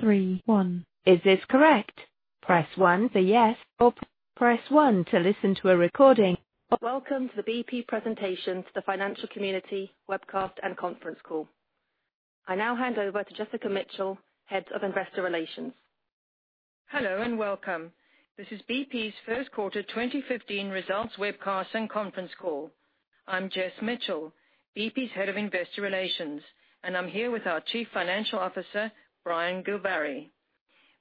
Three, one. Is this correct? Press one for yes, or press one to listen to a recording. Welcome to the BP presentation to the financial community webcast and conference call. I now hand over to Jessica Mitchell, Head of Investor Relations. Hello, and welcome. This is BP's first quarter 2015 results webcast and conference call. I'm Jess Mitchell, BP's Head of Investor Relations, and I'm here with our Chief Financial Officer, Brian Gilvary.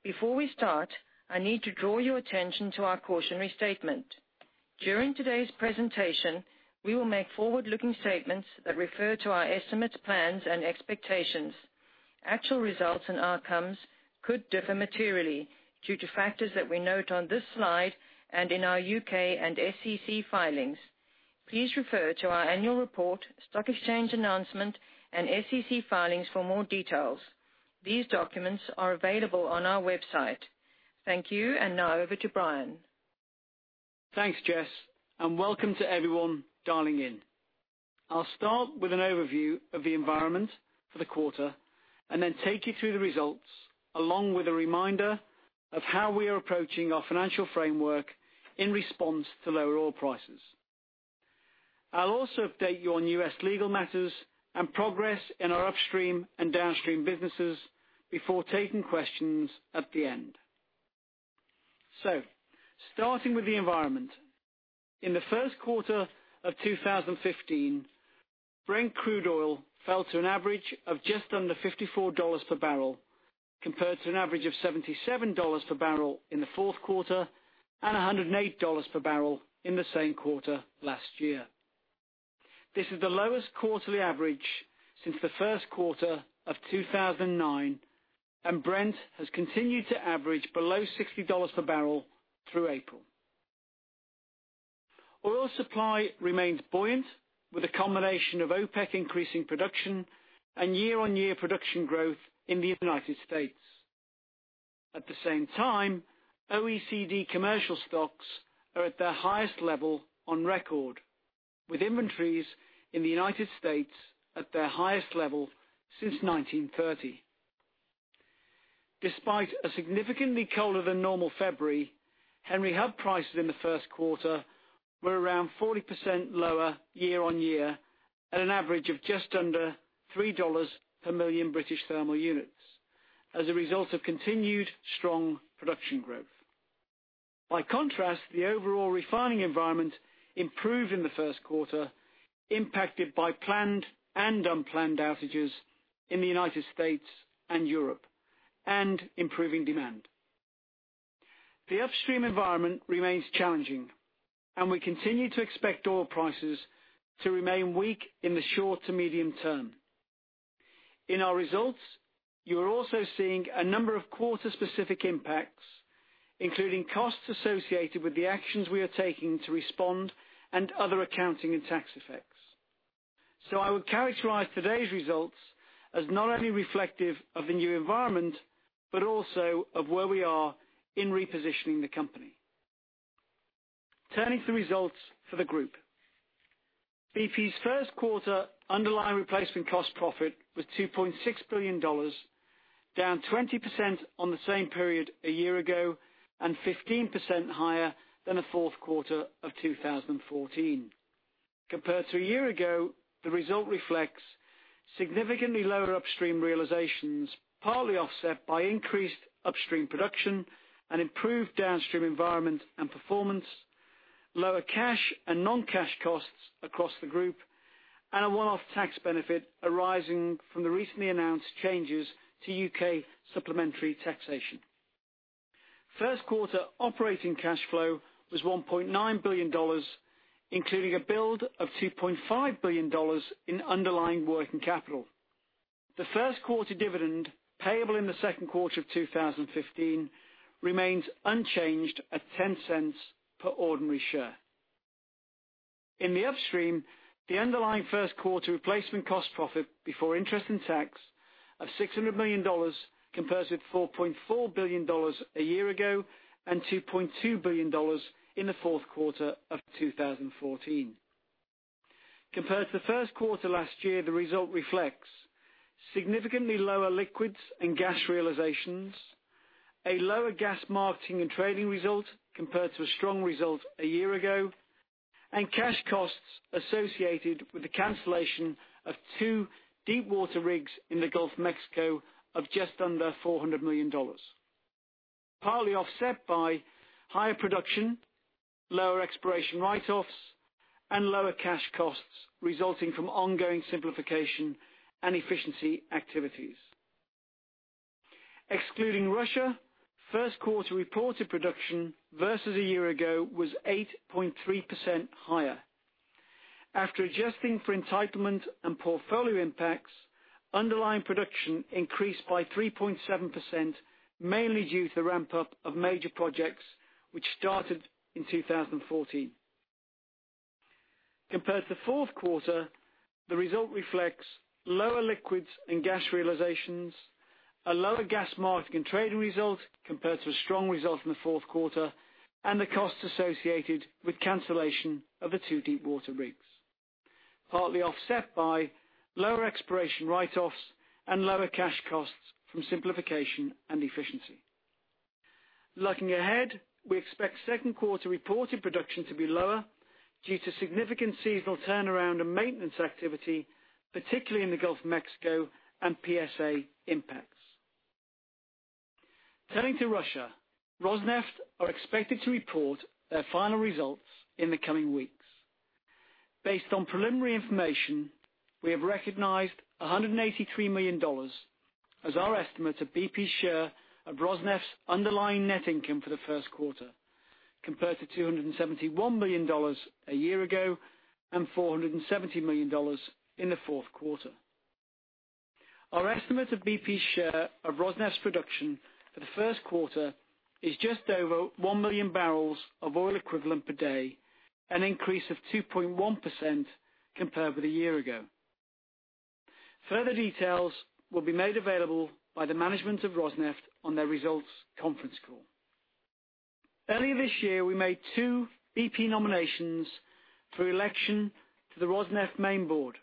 Before we start, I need to draw your attention to our cautionary statement. During today's presentation, we will make forward-looking statements that refer to our estimates, plans, and expectations. Actual results and outcomes could differ materially due to factors that we note on this slide and in our U.K. and SEC filings. Please refer to our annual report, stock exchange announcement, and SEC filings for more details. These documents are available on our website. Thank you. Now over to Brian. Thanks, Jess. Welcome to everyone dialing in. I'll start with an overview of the environment for the quarter. Then take you through the results, along with a reminder of how we are approaching our financial framework in response to lower oil prices. I'll also update you on U.S. legal matters and progress in our upstream and downstream businesses before taking questions at the end. Starting with the environment. In the first quarter of 2015, Brent Crude oil fell to an average of just under $54 per barrel, compared to an average of $77 per barrel in the fourth quarter and $108 per barrel in the same quarter last year. This is the lowest quarterly average since the first quarter of 2009, and Brent has continued to average below $60 per barrel through April. Oil supply remains buoyant with the combination of OPEC increasing production and year-on-year production growth in the United States. At the same time, OECD commercial stocks are at their highest level on record, with inventories in the United States at their highest level since 1930. Despite a significantly colder than normal February, Henry Hub prices in the first quarter were around 40% lower year-on-year at an average of just under $3 per million British thermal units as a result of continued strong production growth. The overall refining environment improved in the first quarter, impacted by planned and unplanned outages in the United States and Europe, improving demand. The upstream environment remains challenging. We continue to expect oil prices to remain weak in the short to medium term. In our results, you are also seeing a number of quarter-specific impacts, including costs associated with the actions we are taking to respond and other accounting and tax effects. I would characterize today's results as not only reflective of the new environment, but also of where we are in repositioning the company. Turning to results for the group. BP's first quarter underlying replacement cost profit was $2.6 billion, down 20% on the same period a year ago and 15% higher than the fourth quarter of 2014. Compared to a year ago, the result reflects significantly lower upstream realizations, partly offset by increased upstream production and improved downstream environment and performance, lower cash and non-cash costs across the group, and a one-off tax benefit arising from the recently announced changes to UK supplementary taxation. First quarter operating cash flow was $1.9 billion, including a build of $2.5 billion in underlying working capital. The first quarter dividend, payable in the second quarter of 2015, remains unchanged at $0.10 per ordinary share. In the upstream, the underlying first quarter replacement cost profit before interest and tax of $600 million compares with $4.4 billion a year ago and $2.2 billion in the fourth quarter of 2014. Compared to the first quarter last year, the result reflects significantly lower liquids and gas realizations, a lower gas marketing and trading result compared to a strong result a year ago, and cash costs associated with the cancellation of two deepwater rigs in the Gulf of Mexico of just under $400 million. Partly offset by higher production, lower exploration write-offs, and lower cash costs resulting from ongoing simplification and efficiency activities. Excluding Russia, first quarter reported production versus a year ago was 8.3% higher. After adjusting for entitlement and portfolio impacts, underlying production increased by 3.7%, mainly due to the ramp-up of major projects, which started in 2014. Compared to the fourth quarter, the result reflects lower liquids and gas realizations, a lower gas marketing and trading result compared to a strong result in the fourth quarter, and the costs associated with cancellation of the two deepwater rigs. Partly offset by lower exploration write-offs and lower cash costs from simplification and efficiency. Looking ahead, we expect second quarter reported production to be lower due to significant seasonal turnaround and maintenance activity, particularly in the Gulf of Mexico and PSA impacts. Turning to Russia, Rosneft are expected to report their final results in the coming weeks. Based on preliminary information, we have recognized $183 million as our estimate of BP's share of Rosneft's underlying net income for the first quarter, compared to $271 million a year ago, and $470 million in the fourth quarter. Our estimate of BP's share of Rosneft's production for the first quarter is just over one million barrels of oil equivalent per day, an increase of 2.1% compared with a year ago. Further details will be made available by the management of Rosneft on their results conference call. Early this year, we made two BP nominations for election to the Rosneft main board.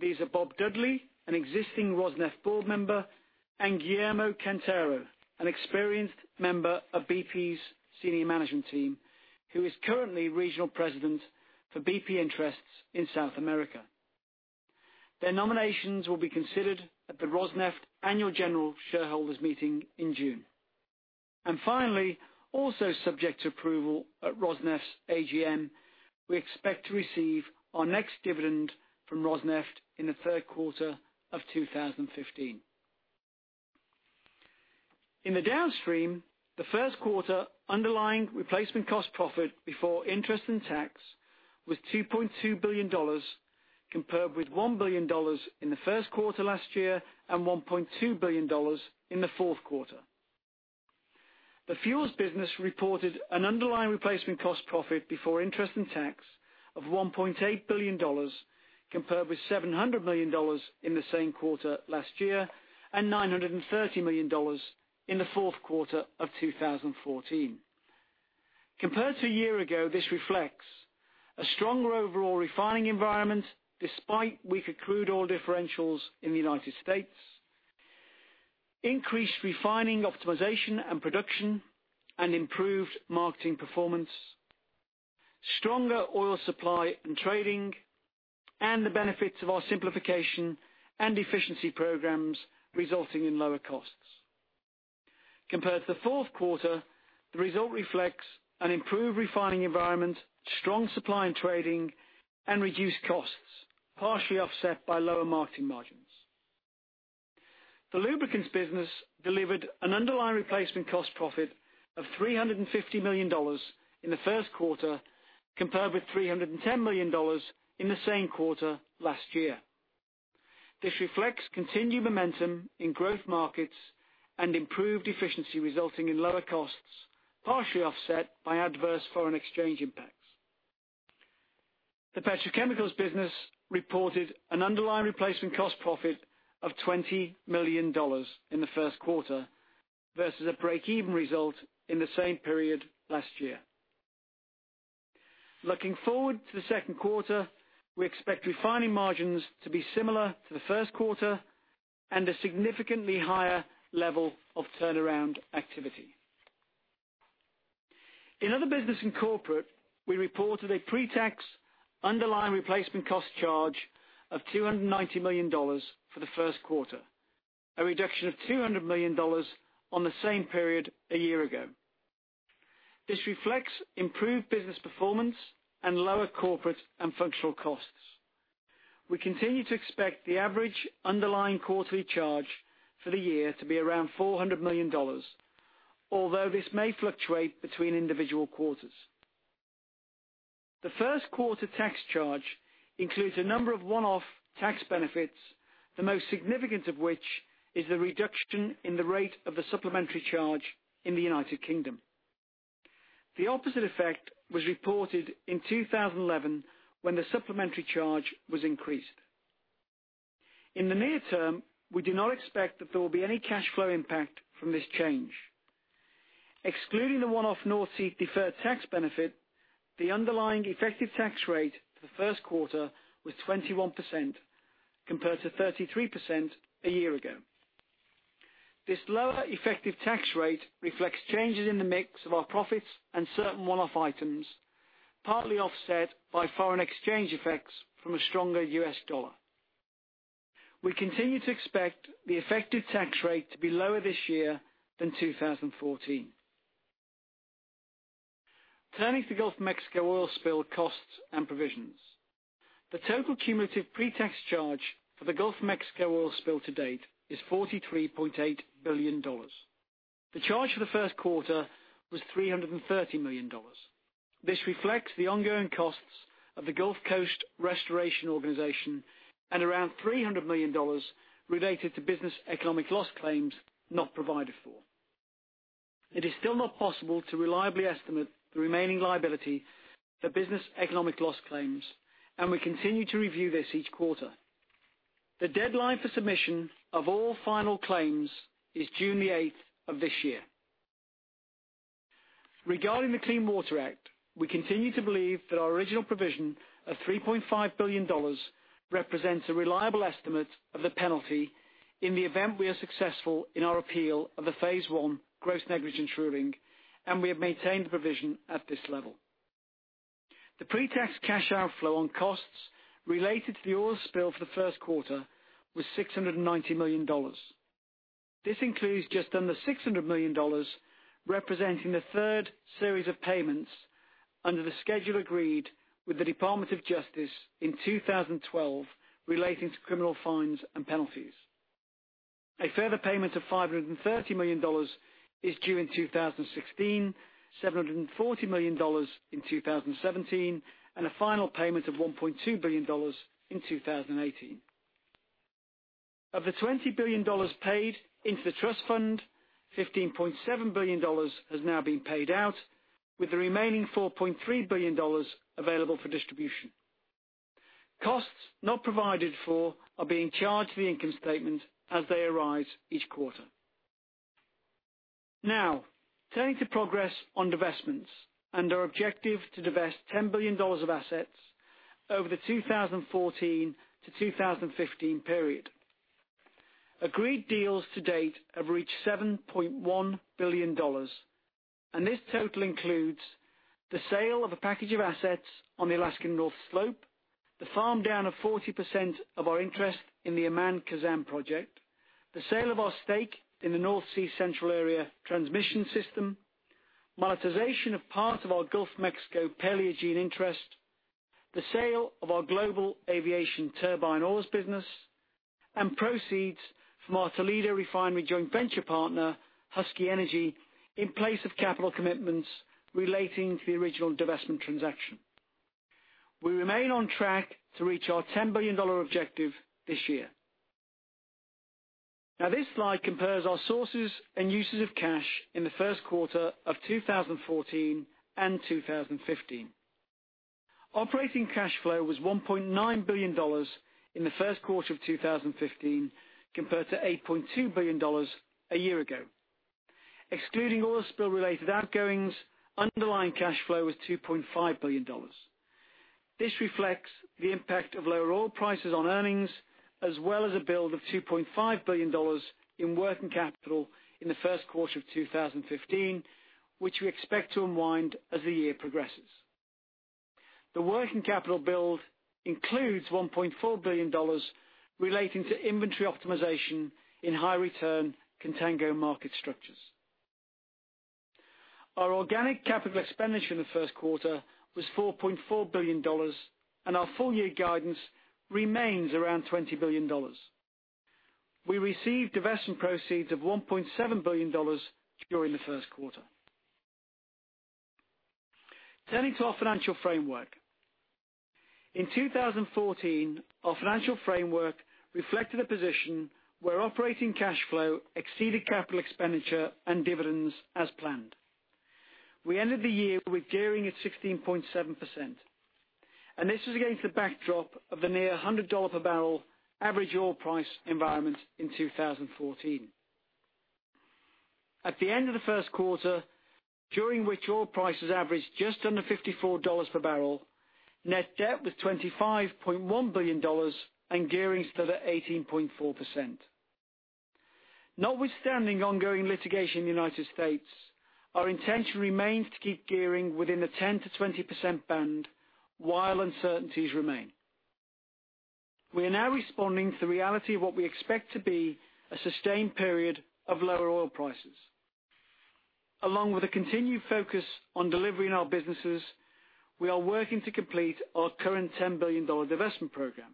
These are Bob Dudley, an existing Rosneft board member, and Guillermo Quintero, an experienced member of BP's senior management team, who is currently regional president for BP interests in South America. Their nominations will be considered at the Rosneft annual general shareholders meeting in June. Finally, also subject to approval at Rosneft's AGM, we expect to receive our next dividend from Rosneft in the third quarter of 2015. In the Downstream, the first quarter underlying replacement cost profit before interest and tax was $2.2 billion, compared with $1 billion in the first quarter last year, and $1.2 billion in the fourth quarter. The fuels business reported an underlying replacement cost profit before interest and tax of $1.8 billion, compared with $700 million in the same quarter last year, and $930 million in the fourth quarter of 2014. Compared to a year ago, this reflects a stronger overall refining environment despite weaker crude oil differentials in the U.S., increased refining optimization and production, and improved marketing performance, stronger oil supply and trading, and the benefits of our simplification and efficiency programs resulting in lower costs. Compared to the fourth quarter, the result reflects an improved refining environment, strong supply and trading, and reduced costs, partially offset by lower marketing margins. The lubricants business delivered an underlying replacement cost profit of $350 million in the first quarter, compared with $310 million in the same quarter last year. This reflects continued momentum in growth markets and improved efficiency resulting in lower costs, partially offset by adverse foreign exchange impacts. The petrochemicals business reported an underlying replacement cost profit of $20 million in the first quarter versus a break-even result in the same period last year. Looking forward to the second quarter, we expect refining margins to be similar to the first quarter and a significantly higher level of turnaround activity. In other business and corporate, we reported a pre-tax underlying replacement cost charge of $290 million for the first quarter, a reduction of $200 million on the same period a year ago. This reflects improved business performance and lower corporate and functional costs. We continue to expect the average underlying quarterly charge for the year to be around $400 million, although this may fluctuate between individual quarters. The first quarter tax charge includes a number of one-off tax benefits, the most significant of which is the reduction in the rate of the supplementary charge in the U.K. The opposite effect was reported in 2011 when the supplementary charge was increased. In the near term, we do not expect that there will be any cash flow impact from this change. Excluding the one-off North Sea deferred tax benefit, the underlying effective tax rate for the first quarter was 21% compared to 33% a year ago. This lower effective tax rate reflects changes in the mix of our profits and certain one-off items, partly offset by foreign exchange effects from a stronger U.S. dollar. We continue to expect the effective tax rate to be lower this year than 2014. Turning to Gulf of Mexico oil spill costs and provisions. The total cumulative pre-tax charge for the Gulf of Mexico oil spill to date is $43.8 billion. The charge for the first quarter was $330 million. This reflects the ongoing costs of the Gulf Coast Restoration Organization and around $300 million related to business economic loss claims not provided for. It is still not possible to reliably estimate the remaining liability for business economic loss claims, we continue to review this each quarter. The deadline for submission of all final claims is June the 8th of this year. Regarding the Clean Water Act, we continue to believe that our original provision of $3.5 billion represents a reliable estimate of the penalty in the event we are successful in our appeal of the phase one gross negligence ruling, we have maintained the provision at this level. The pre-tax cash outflow on costs related to the oil spill for the first quarter was $690 million. This includes just under $600 million, representing the third series of payments under the schedule agreed with the Department of Justice in 2012 relating to criminal fines and penalties. A further payment of $530 million is due in 2016, $740 million in 2017, and a final payment of $1.2 billion in 2018. Of the $20 billion paid into the trust fund, $15.7 billion has now been paid out, with the remaining $4.3 billion available for distribution. Costs not provided for are being charged to the income statement as they arise each quarter. Turning to progress on divestments and our objective to divest $10 billion of assets over the 2014 to 2015 period. Agreed deals to date have reached $7.1 billion, this total includes the sale of a package of assets on the Alaskan North Slope, the farm down of 40% of our interest in the Oman Khazzanproject, the sale of our stake in the North Sea Central Area Transmission System, monetization of part of our Gulf of Mexico Paleogene interest, the sale of our global aviation turbine oils business, and proceeds from our Toledo Refinery joint venture partner, Husky Energy, in place of capital commitments relating to the original divestment transaction. We remain on track to reach our $10 billion objective this year. This slide compares our sources and uses of cash in the first quarter of 2014 and 2015. Operating cash flow was $1.9 billion in the first quarter of 2015, compared to $8.2 billion a year ago. Excluding oil spill related outgoings, underlying cash flow was $2.5 billion. This reflects the impact of lower oil prices on earnings, as well as a build of $2.5 billion in working capital in the first quarter of 2015, which we expect to unwind as the year progresses. The working capital build includes $1.4 billion relating to inventory optimization in high return contango market structures. Our organic capital expenditure in the first quarter was $4.4 billion, our full year guidance remains around $20 billion. We received divestment proceeds of $1.7 billion during the first quarter. Turning to our financial framework. In 2014, our financial framework reflected a position where operating cash flow exceeded capital expenditure and dividends as planned. We ended the year with gearing at 16.7%, this was against the backdrop of the near $100 a barrel average oil price environment in 2014. At the end of the first quarter, during which oil prices averaged just under $54 per barrel, net debt was $25.1 billion and gearing stood at 18.4%. Notwithstanding ongoing litigation in the U.S., our intention remains to keep gearing within the 10%-20% band while uncertainties remain. We are now responding to the reality of what we expect to be a sustained period of lower oil prices. Along with a continued focus on delivering our businesses, we are working to complete our current $10 billion divestment program.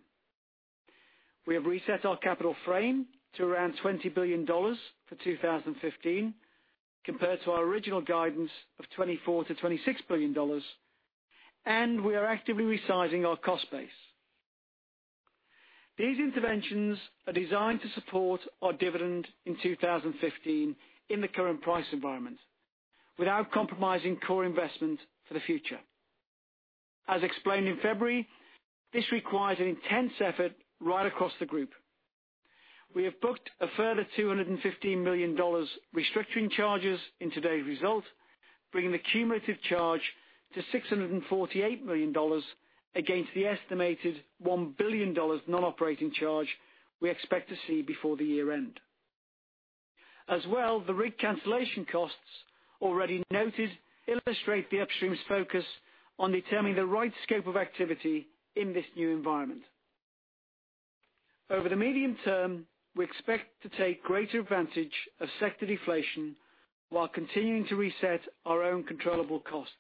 We have reset our capital frame to around $20 billion for 2015, compared to our original guidance of $24 billion-$26 billion, and we are actively resizing our cost base. These interventions are designed to support our dividend in 2015 in the current price environment without compromising core investment for the future. As explained in February, this requires an intense effort right across the group. We have booked a further $215 million restructuring charges in today's result, bringing the cumulative charge to $648 million against the estimated $1 billion non-operating charge we expect to see before the year end. As well, the rig cancellation costs already noted illustrate the extreme focus on determining the right scope of activity in this new environment. Over the medium term, we expect to take greater advantage of sector deflation while continuing to reset our own controllable costs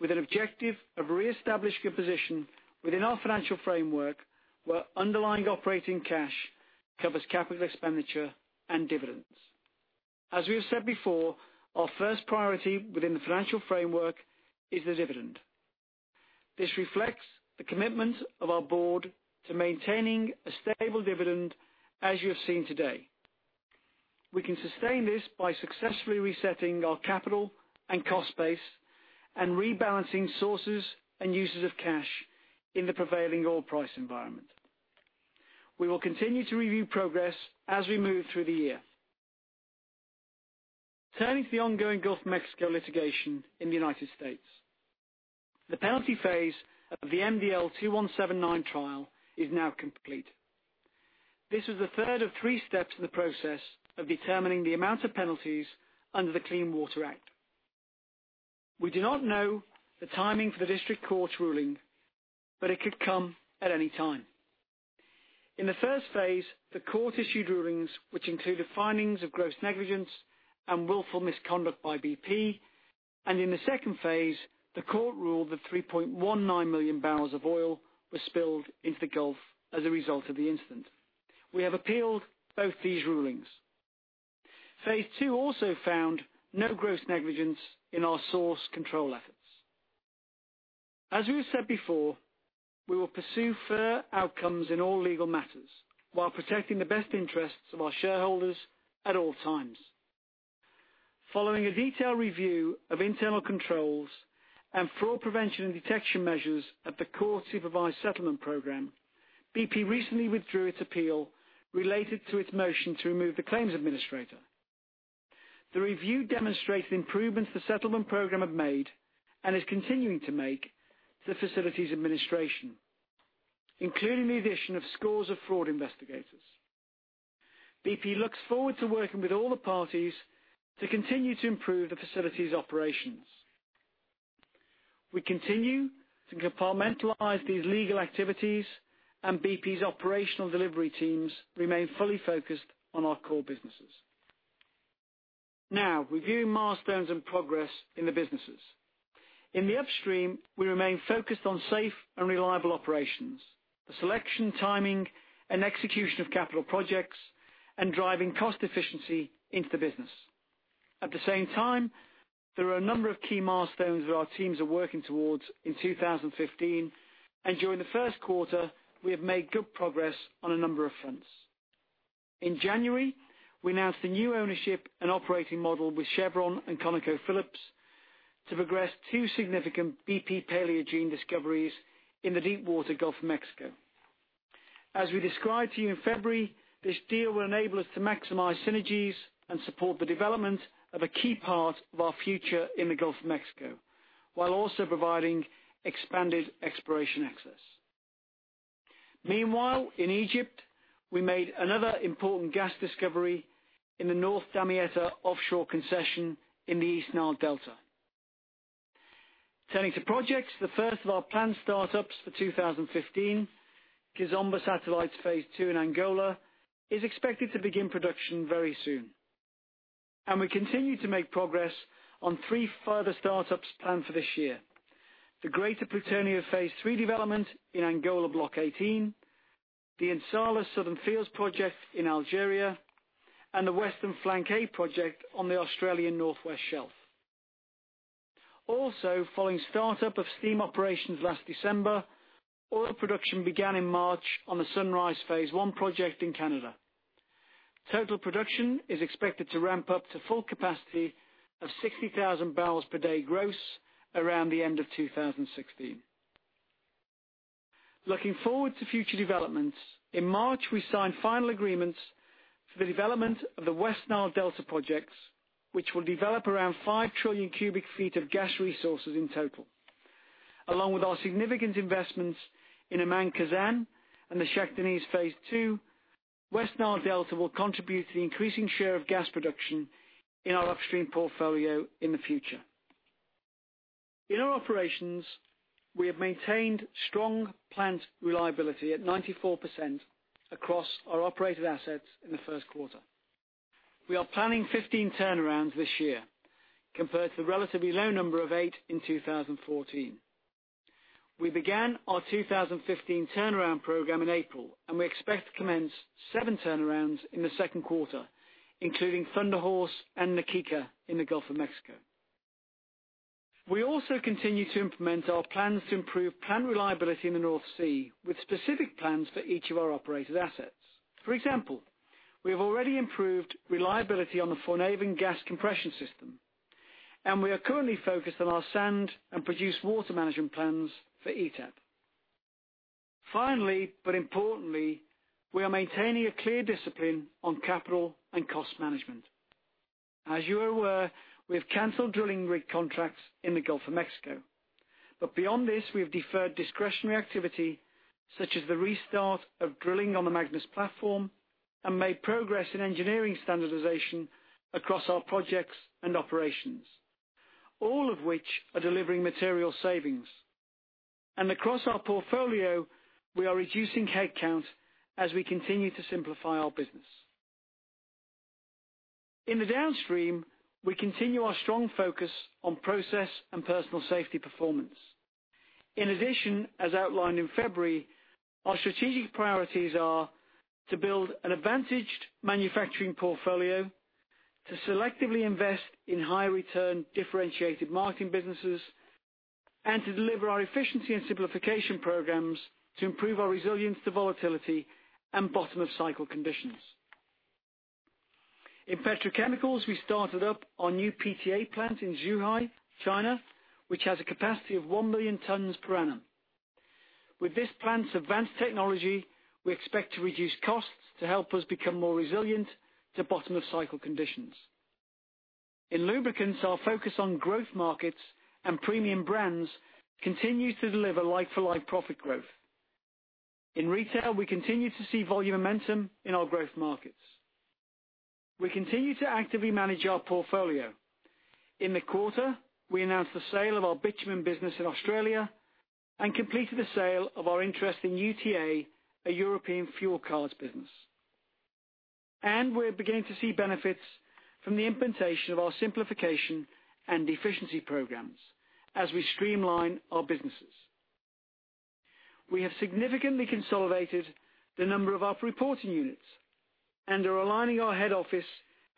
with an objective of reestablishing a position within our financial framework where underlying operating cash covers capital expenditure and dividends. As we have said before, our first priority within the financial framework is the dividend. This reflects the commitment of our board to maintaining a stable dividend, as you have seen today. We can sustain this by successfully resetting our capital and cost base and rebalancing sources and uses of cash in the prevailing oil price environment. We will continue to review progress as we move through the year. Turning to the ongoing Gulf of Mexico litigation in the U.S., the penalty phase of the MDL 2179 trial is now complete. This is the third of three steps in the process of determining the amount of penalties under the Clean Water Act. We do not know the timing for the district court's ruling, but it could come at any time. In Phase 1, the court issued rulings which included findings of gross negligence and willful misconduct by BP. In Phase 2, the court ruled that 3.19 million barrels of oil were spilled into the Gulf as a result of the incident. We have appealed both these rulings. Phase 2 also found no gross negligence in our source control efforts. As we have said before, we will pursue fair outcomes in all legal matters while protecting the best interests of our shareholders at all times. Following a detailed review of internal controls and fraud prevention and detection measures at the court-supervised settlement program, BP recently withdrew its appeal related to its motion to remove the claims administrator. The review demonstrated improvements the settlement program have made and is continuing to make to the facilities administration, including the addition of scores of fraud investigators. BP looks forward to working with all the parties to continue to improve the facilities' operations. We continue to compartmentalize these legal activities, and BP's operational delivery teams remain fully focused on our core businesses. Now, reviewing milestones and progress in the businesses. In the upstream, we remain focused on safe and reliable operations, the selection, timing, and execution of capital projects, and driving cost efficiency into the business. At the same time, there are a number of key milestones that our teams are working towards in 2015. During the first quarter, we have made good progress on a number of fronts. In January, we announced the new ownership and operating model with Chevron and ConocoPhillips to progress two significant BP Paleogene discoveries in the deepwater Gulf of Mexico. As we described to you in February, this deal will enable us to maximize synergies and support the development of a key part of our future in the Gulf of Mexico, while also providing expanded exploration access. In Egypt, we made another important gas discovery in the North Damietta Offshore concession in the East Nile Delta. Turning to projects, the first of our planned startups for 2015, Kizomba Satellites Phase Two in Angola, is expected to begin production very soon. We continue to make progress on three further startups planned for this year: the Greater Plutonio Phase Three development in Angola Block 18, the In Salah Southern Fields project in Algeria, and the Western Flank A project on the Australian Northwest Shelf. Following startup of steam operations last December, oil production began in March on the Sunrise Phase One project in Canada. Total production is expected to ramp up to full capacity of 60,000 barrels per day gross around the end of 2016. Looking forward to future developments, in March we signed final agreements for the development of the West Nile Delta projects, which will develop around 5 trillion cubic feet of gas resources in total. Along with our significant investments in Khazzan and the Shah Deniz Phase Two, West Nile Delta will contribute to the increasing share of gas production in our upstream portfolio in the future. In our operations, we have maintained strong plant reliability at 94% across our operated assets in the first quarter. We are planning 15 turnarounds this year compared to the relatively low number of eight in 2014. We began our 2015 turnaround program in April. We expect to commence seven turnarounds in the second quarter, including Thunder Horse and Na Kika in the Gulf of Mexico. We continue to implement our plans to improve plant reliability in the North Sea, with specific plans for each of our operated assets. For example, we have already improved reliability on the Foinaven gas compression system, and we are currently focused on our sand and produced water management plans for ETAP. Finally, but importantly, we are maintaining a clear discipline on capital and cost management. As you are aware, we have canceled drilling rig contracts in the Gulf of Mexico. Beyond this, we have deferred discretionary activity, such as the restart of drilling on the Magnus platform, and made progress in engineering standardization across our projects and operations, all of which are delivering material savings. Across our portfolio, we are reducing head count as we continue to simplify our business. In the downstream, we continue our strong focus on process and personal safety performance. As outlined in February, our strategic priorities are to build an advantaged manufacturing portfolio, to selectively invest in high return differentiated marketing businesses, and to deliver our efficiency and simplification programs to improve our resilience to volatility and bottom-of-cycle conditions. In petrochemicals, we started up our new PTA plant in Zhuhai, China, which has a capacity of 1 million tons per annum. With this plant's advanced technology, we expect to reduce costs to help us become more resilient to bottom of cycle conditions. In lubricants, our focus on growth markets and premium brands continues to deliver like-for-like profit growth. In retail, we continue to see volume momentum in our growth markets. We continue to actively manage our portfolio. In the quarter, we announced the sale of our bitumen business in Australia and completed the sale of our interest in UTA, a European fuel cards business. We're beginning to see benefits from the implementation of our simplification and efficiency programs as we streamline our businesses. We have significantly consolidated the number of our reporting units and are aligning our head office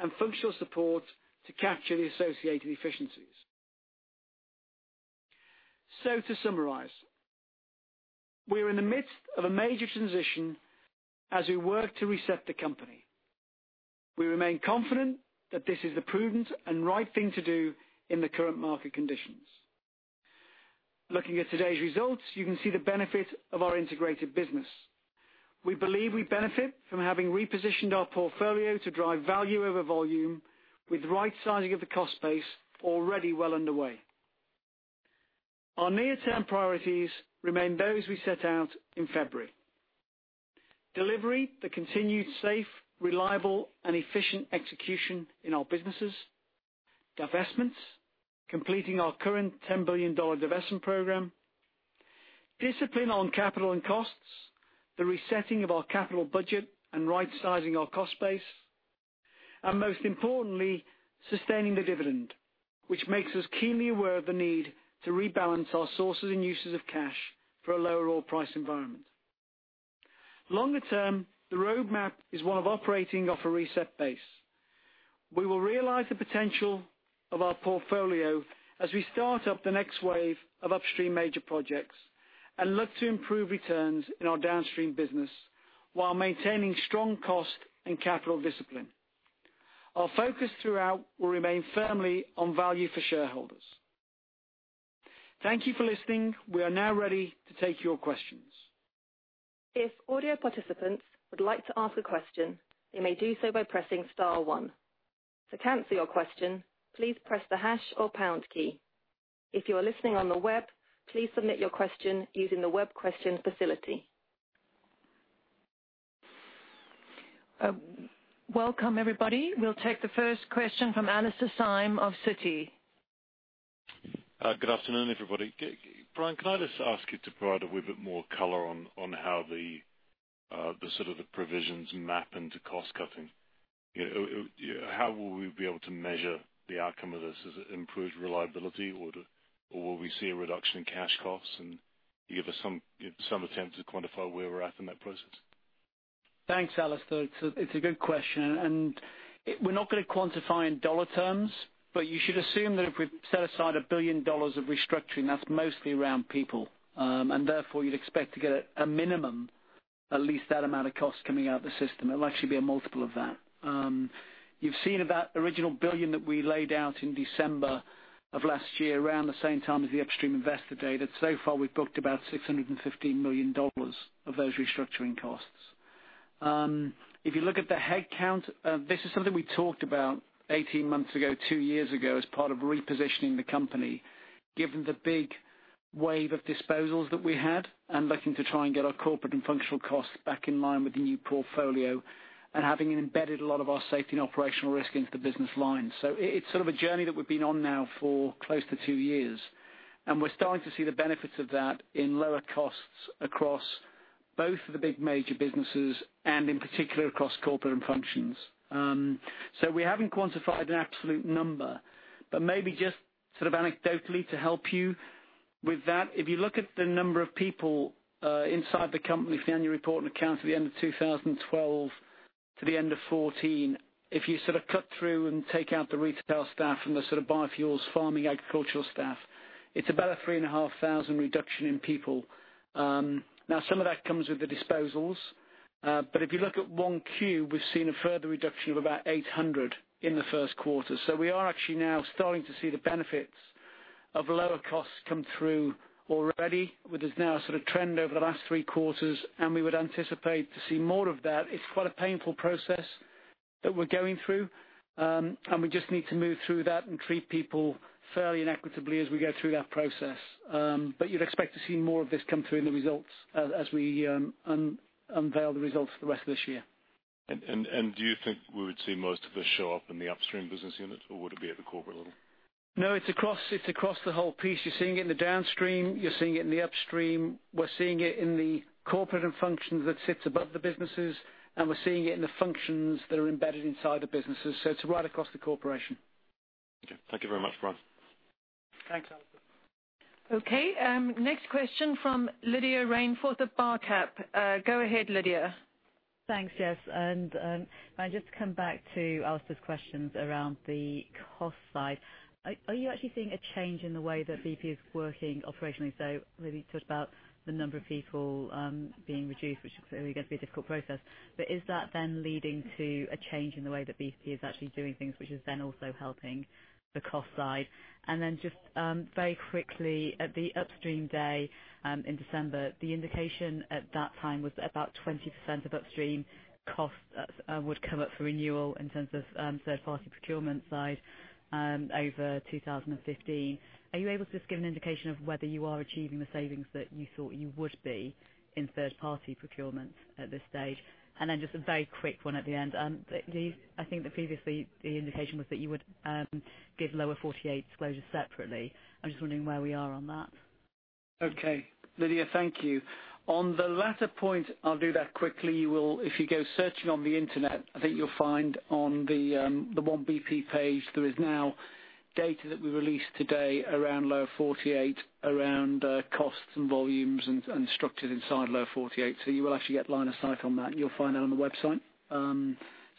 and functional support to capture the associated efficiencies. To summarize, we are in the midst of a major transition as we work to reset the company. We remain confident that this is the prudent and right thing to do in the current market conditions. Looking at today's results, you can see the benefit of our integrated business. We believe we benefit from having repositioned our portfolio to drive value over volume with the right sizing of the cost base already well underway. Our near-term priorities remain those we set out in February. Delivery, the continued safe, reliable, and efficient execution in our businesses. Divestments, completing our current $10 billion divestment program. Discipline on capital and costs, the resetting of our capital budget, and rightsizing our cost base. Most importantly, sustaining the dividend, which makes us keenly aware of the need to rebalance our sources and uses of cash for a lower oil price environment. Longer term, the roadmap is one of operating off a reset base. We will realize the potential of our portfolio as we start up the next wave of upstream major projects and look to improve returns in our downstream business while maintaining strong cost and capital discipline. Our focus throughout will remain firmly on value for shareholders. Thank you for listening. We are now ready to take your questions. If audio participants would like to ask a question, they may do so by pressing star one. To cancel your question, please press the hash or pound key. If you are listening on the web, please submit your question using the web question facility. Welcome, everybody. We'll take the first question from Alastair Syme of Citi. Good afternoon, everybody. Brian, can I just ask you to provide a wee bit more color on how the sort of the provisions map into cost cutting? How will we be able to measure the outcome of this? Is it improved reliability or will we see a reduction in cash costs? Can you give us some attempt to quantify where we're at in that process? Thanks, Alastair. It's a good question. We're not going to quantify in dollar terms, but you should assume that if we've set aside $1 billion of restructuring, that's mostly around people, therefore you'd expect to get a minimum at least that amount of cost coming out the system. It'll actually be a multiple of that. You've seen of that original $1 billion that we laid out in December of last year, around the same time as the upstream investor data. So far, we've booked about $615 million of those restructuring costs. If you look at the headcount, this is something we talked about 18 months ago, two years ago, as part of repositioning the company, given the big wave of disposals that we had and looking to try and get our corporate and functional costs back in line with the new portfolio and having embedded a lot of our safety and operational risk into the business lines. It's sort of a journey that we've been on now for close to two years. We're starting to see the benefits of that in lower costs across both of the big major businesses and in particular across corporate and functions. We haven't quantified an absolute number, but maybe just sort of anecdotally to help you with that, if you look at the number of people inside the company, if you annual report and accounts at the end of 2012 to the end of 2014, if you sort of cut through and take out the retail staff and the sort of biofuels, farming, agricultural staff, it's about a 3,500 reduction in people. Some of that comes with the disposals. If you look at 1Q, we've seen a further reduction of about 800 in the first quarter. We are actually now starting to see the benefits of lower costs come through already, which is now a sort of trend over the last three quarters, and we would anticipate to see more of that. It's quite a painful process that we're going through, and we just need to move through that and treat people fairly and equitably as we go through that process. You'd expect to see more of this come through in the results as we unveil the results for the rest of this year. Do you think we would see most of this show up in the upstream business unit, or would it be at the corporate level? No, it's across the whole piece. You're seeing it in the downstream, you're seeing it in the upstream. We're seeing it in the corporate and functions that sits above the businesses, and we're seeing it in the functions that are embedded inside the businesses. It's right across the corporation. Okay. Thank you very much, Brian. Thanks, Alastair. Okay, next question from Lydia Rainforth of Barclays. Go ahead, Lydia. Thanks, Jess. Just to come back to Alastair's questions around the cost side, are you actually seeing a change in the way that BP is working operationally? Maybe you talked about the number of people being reduced, which is clearly going to be a difficult process. Is that then leading to a change in the way that BP is actually doing things, which is then also helping the cost side? Just very quickly, at the Upstream Day, in December, the indication at that time was about 20% of upstream costs would come up for renewal in terms of third-party procurement side over 2015. Are you able to just give an indication of whether you are achieving the savings that you thought you would be in third-party procurement at this stage? Just a very quick one at the end. I think that previously the indication was that you would give Lower 48 disclosure separately. I'm just wondering where we are on that. Okay. Lydia, thank you. On the latter point, I'll do that quickly. If you go searching on the internet, I think you'll find on the One BP page, there is now data that we released today around Lower 48 around costs and volumes and structured inside Lower 48. You will actually get line of sight on that, and you'll find that on the website.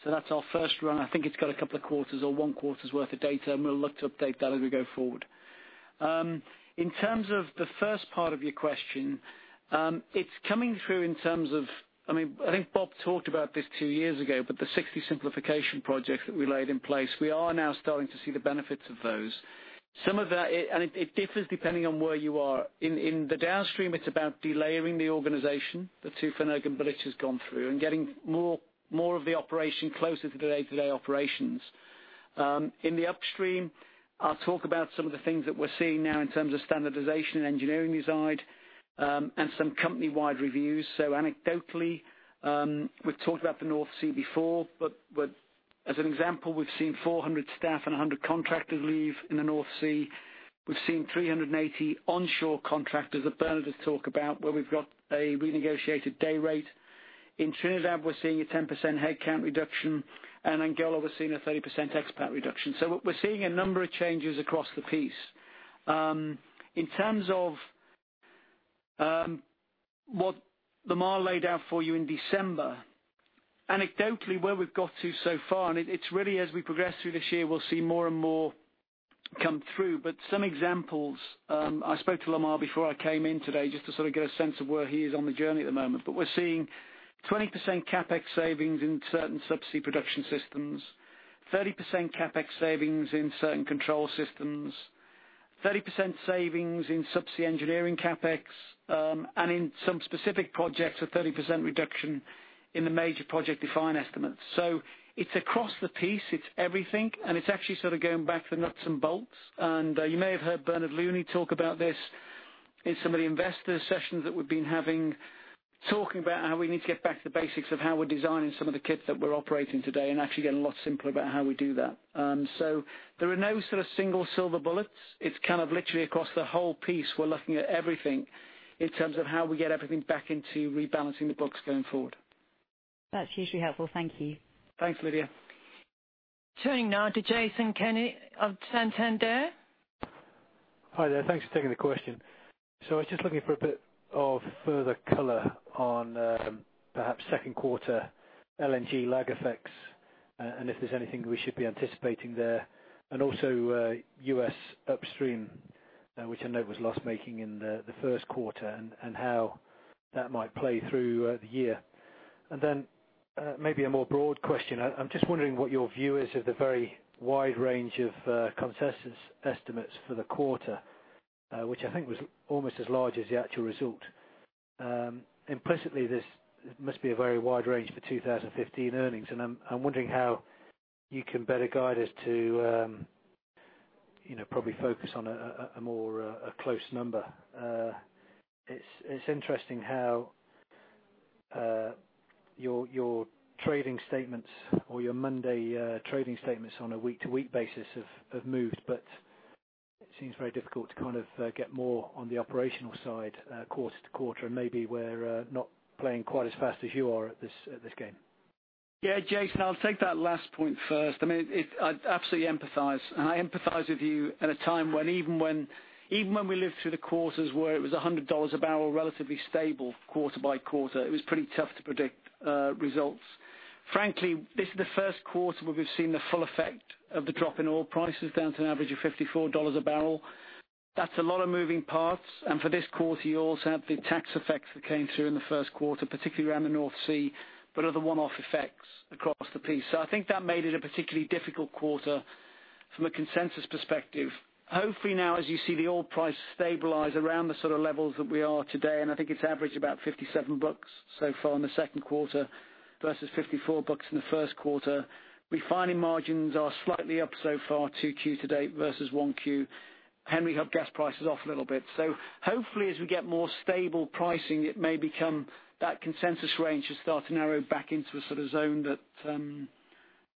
That's our first run. I think it's got a couple of quarters or one quarter's worth of data, and we'll look to update that as we go forward. In terms of the first part of your question, it's coming through in terms of. I think Bob talked about this two years ago, but the 60 simplification projects that we laid in place, we are now starting to see the benefits of those. It differs depending on where you are. In the downstream, it's about delayering the organization that [Toufik Lounes] has gone through and getting more of the operation closer to the day-to-day operations. In the upstream, I'll talk about some of the things that we're seeing now in terms of standardization and engineering design, and some company-wide reviews. Anecdotally, we've talked about the North Sea before, but as an example, we've seen 400 staff and 100 contractors leave in the North Sea. We've seen 380 onshore contractors that Bernard has talked about, where we've got a renegotiated day rate. In Trinidad, we're seeing a 10% headcount reduction, and Angola, we're seeing a 30% expat reduction. We're seeing a number of changes across the piece. In terms of what Lamar laid out for you in December, anecdotally, where we've got to so far, and it's really as we progress through this year, we'll see more and more come through. Some examples, I spoke to Lamar before I came in today just to sort of get a sense of where he is on the journey at the moment. We're seeing 20% CapEx savings in certain subsea production systems, 30% CapEx savings in certain control systems, 30% savings in subsea engineering CapEx, and in some specific projects, a 30% reduction in the major project define estimates. It's across the piece, it's everything, and it's actually sort of going back to the nuts and bolts. You may have heard Bernard Looney talk about this in some of the investor sessions that we've been having, talking about how we need to get back to the basics of how we're designing some of the kit that we're operating today and actually get a lot simpler about how we do that. There are no sort of single silver bullets. It's kind of literally across the whole piece. We're looking at everything in terms of how we get everything back into rebalancing the books going forward. That's hugely helpful. Thank you. Thanks, Lydia. Turning now to Jason Kenney of Santander. Hi there. Thanks for taking the question. I was just looking for a bit of further color on perhaps second quarter LNG lag effects and if there's anything we should be anticipating there, and also, U.S. upstream, which I know was loss-making in the first quarter, and how that might play through the year. Maybe a more broad question. I'm just wondering what your view is of the very wide range of consensus estimates for the quarter, which I think was almost as large as the actual result. Implicitly, this must be a very wide range for 2015 earnings. I'm wondering how you can better guide us to probably focus on a more close number. It's interesting how your trading statements or your Monday trading statements on a week-to-week basis have moved. It seems very difficult to get more on the operational side quarter-to-quarter. Maybe we're not playing quite as fast as you are at this game. Jason, I'll take that last point first. I absolutely empathize. I empathize with you at a time when even when we lived through the quarters where it was $100 a barrel, relatively stable quarter-by-quarter, it was pretty tough to predict results. Frankly, this is the first quarter where we've seen the full effect of the drop in oil prices down to an average of $54 a barrel. That's a lot of moving parts. For this quarter, you also have the tax effects that came through in the first quarter, particularly around the North Sea, other one-off effects across the piece. I think that made it a particularly difficult quarter from a consensus perspective. Hopefully now, as you see the oil price stabilize around the sort of levels that we are today. I think it's averaged about $57 so far in the second quarter versus $54 in the first quarter. Refining margins are slightly up so far, 2Q to date versus 1Q. Henry Hub gas price is off a little bit. Hopefully, as we get more stable pricing, it may become that consensus range should start to narrow back into a sort of zone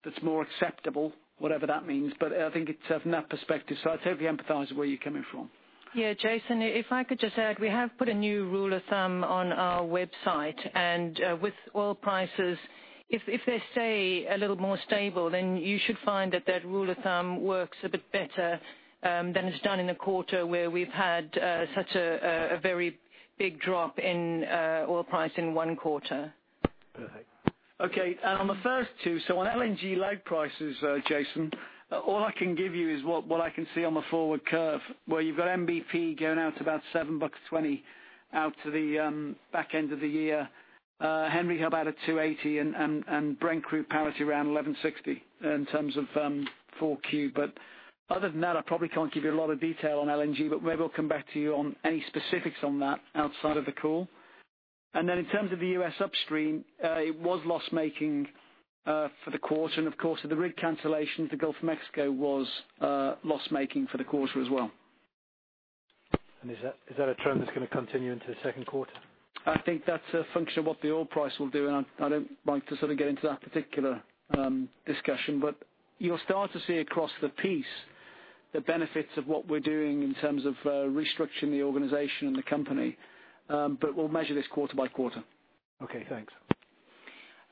that's more acceptable, whatever that means. I think it's from that perspective. I totally empathize with where you're coming from. Yeah, Jason, if I could just add, we have put a new rule of thumb on our website, and with oil prices If they stay a little more stable, then you should find that that rule of thumb works a bit better than it's done in a quarter where we've had such a very big drop in oil price in one quarter. Perfect. Okay. On the first two, on LNG load prices, Jason, all I can give you is what I can see on the forward curve, where you've got JKM going out about $7.20 out to the back end of the year. Henry Hub out at $2.80 and Brent crude parity around $11.60 in terms of 4Q. Other than that, I probably can't give you a lot of detail on LNG, but maybe I'll come back to you on any specifics on that outside of the call. In terms of the U.S. upstream, it was loss-making for the quarter. Of course, the rig cancellation at the Gulf of Mexico was loss-making for the quarter as well. Is that a trend that's going to continue into the second quarter? I think that's a function of what the oil price will do. I don't like to sort of get into that particular discussion. You'll start to see across the piece the benefits of what we're doing in terms of restructuring the organization and the company. We'll measure this quarter by quarter. Okay, thanks.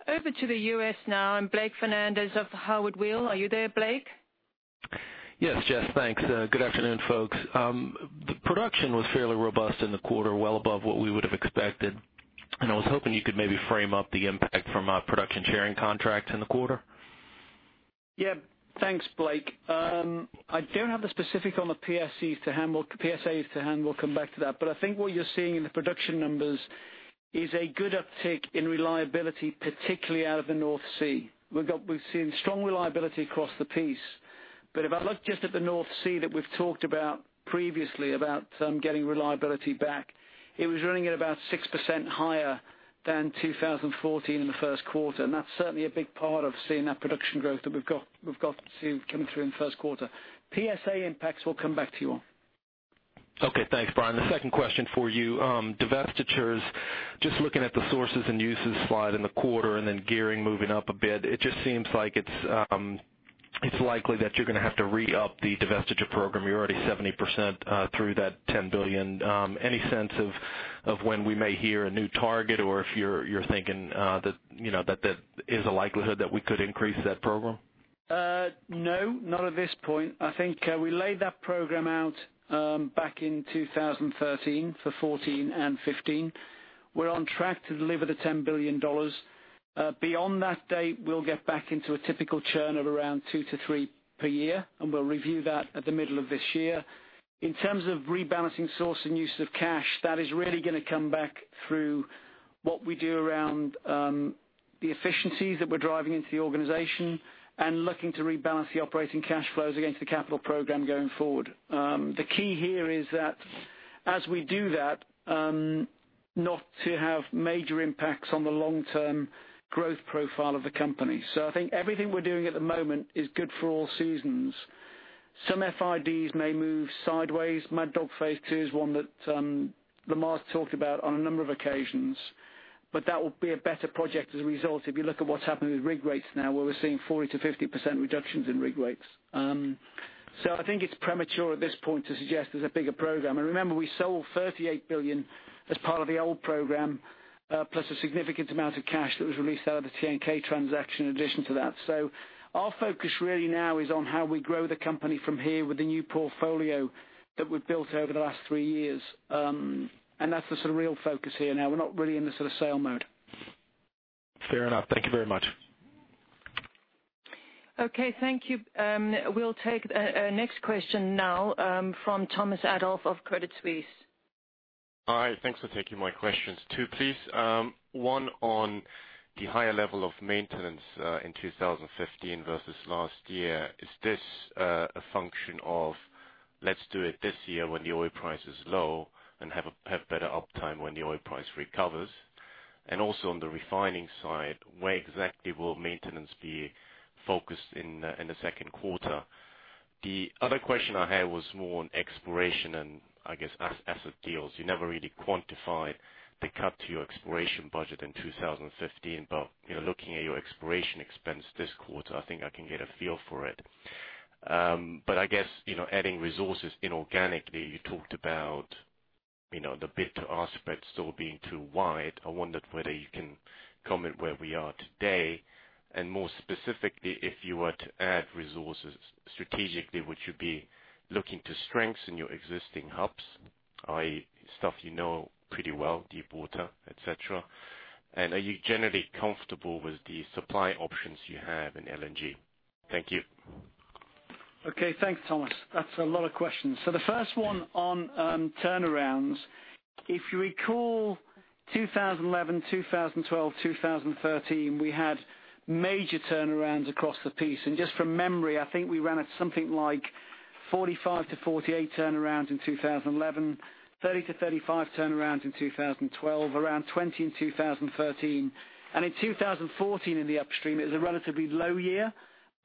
Over to the U.S. now. Blake Fernandez of the Howard Weil. Are you there, Blake? Yes, Jess, thanks. Good afternoon, folks. The production was fairly robust in the quarter, well above what we would have expected. I was hoping you could maybe frame up the impact from a production sharing contract in the quarter. Thanks, Blake. I don't have the specific on the PSAs to hand. We'll come back to that. I think what you're seeing in the production numbers is a good uptick in reliability, particularly out of the North Sea. We've seen strong reliability across the piece. If I look just at the North Sea that we've talked about previously about getting reliability back, it was running at about 6% higher than 2014 in the first quarter. That's certainly a big part of seeing that production growth that we've got coming through in the first quarter. PSA impacts, we'll come back to you on. Thanks, Brian. The second question for you, divestitures. Just looking at the sources and uses slide in the quarter and then gearing moving up a bit, it just seems like it's likely that you're going to have to re-up the divestiture program. You're already 70% through that $10 billion. Any sense of when we may hear a new target or if you're thinking that there is a likelihood that we could increase that program? Not at this point. I think we laid that program out back in 2013 for 2014 and 2015. We're on track to deliver the $10 billion. Beyond that date, we'll get back into a typical churn of around two to three per year, and we'll review that at the middle of this year. In terms of rebalancing source and use of cash, that is really going to come back through what we do around the efficiencies that we're driving into the organization and looking to rebalance the operating cash flows against the capital program going forward. The key here is that as we do that, not to have major impacts on the long-term growth profile of the company. I think everything we're doing at the moment is good for all seasons. Some FIDs may move sideways. Mad Dog Phase 2 is one that Lamar's talked about on a number of occasions, but that will be a better project as a result if you look at what's happening with rig rates now, where we're seeing 40%-50% reductions in rig rates. I think it's premature at this point to suggest there's a bigger program. Remember, we sold $38 billion as part of the old program, plus a significant amount of cash that was released out of the TNK transaction in addition to that. Our focus really now is on how we grow the company from here with the new portfolio that we've built over the last three years. That's the real focus here now. We're not really in the sale mode. Fair enough. Thank you very much. Okay, thank you. We'll take the next question now from Thomas Adolff of Credit Suisse. Hi, thanks for taking my questions. Two, please. One on the higher level of maintenance in 2015 versus last year. Is this a function of let's do it this year when the oil price is low and have better uptime when the oil price recovers? Also on the refining side, where exactly will maintenance be focused in the second quarter? The other question I had was more on exploration and I guess asset deals. You never really quantified the cut to your exploration budget in 2015. But looking at your exploration expense this quarter, I think I can get a feel for it. But I guess adding resources inorganically, you talked about the bid to ask spread still being too wide. I wondered whether you can comment where we are today. More specifically, if you were to add resources strategically, would you be looking to strengthen your existing hubs, i.e. stuff you know pretty well, deep water, et cetera? Are you generally comfortable with the supply options you have in LNG? Thank you. Okay, thanks, Thomas. That's a lot of questions. The first one on turnarounds. If you recall 2011, 2012, 2013, we had major turnarounds across the piece. Just from memory, I think we ran at something like 45-48 turnarounds in 2011, 30-35 turnarounds in 2012, around 20 in 2013. In 2014 in the upstream, it was a relatively low year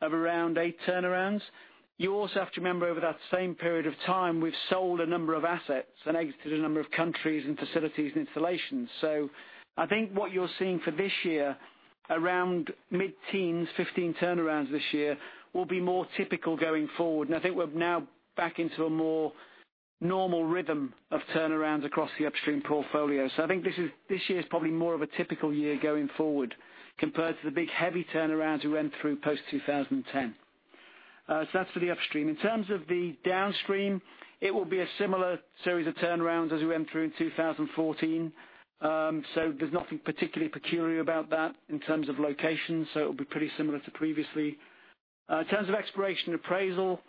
of around eight turnarounds. You also have to remember over that same period of time, we've sold a number of assets and exited a number of countries and facilities and installations. I think what you're seeing for this year, around mid-teens, 15 turnarounds this year, will be more typical going forward. I think we're now back into a more normal rhythm of turnarounds across the upstream portfolio. I think this year is probably more of a typical year going forward compared to the big, heavy turnarounds we went through post-2010. That's for the upstream. In terms of the downstream, it will be a similar series of turnarounds as we went through in 2014. There's nothing particularly peculiar about that in terms of location. It'll be pretty similar to previously. In terms of exploration appraisal,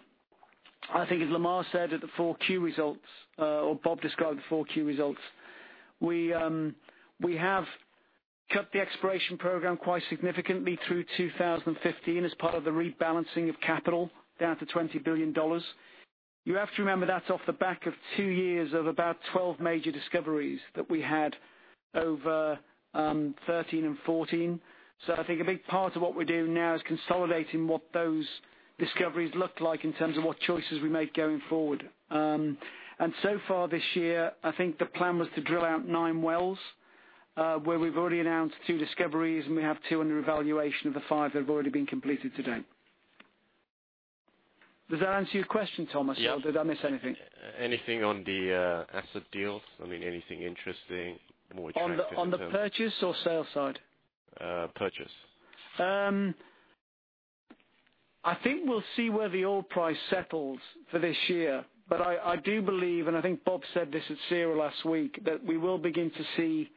I think as Lamar said at the four Q results, or Bob described the four Q results, we have cut the exploration program quite significantly through 2015 as part of the rebalancing of capital down to $20 billion. You have to remember that's off the back of two years of about 12 major discoveries that we had over 2013 and 2014. I think a big part of what we're doing now is consolidating what those discoveries look like in terms of what choices we make going forward. So far this year, I think the plan was to drill out nine wells, where we've already announced two discoveries, and we have two under evaluation of the five that have already been completed to date. Does that answer your question, Thomas? Yeah. Did I miss anything? Anything on the asset deals? Anything interesting, more attractive in terms of- On the purchase or sales side? Purchase. I think we'll see where the oil price settles for this year. I do believe, and I think Bob said this at CERA last week, that we will begin to see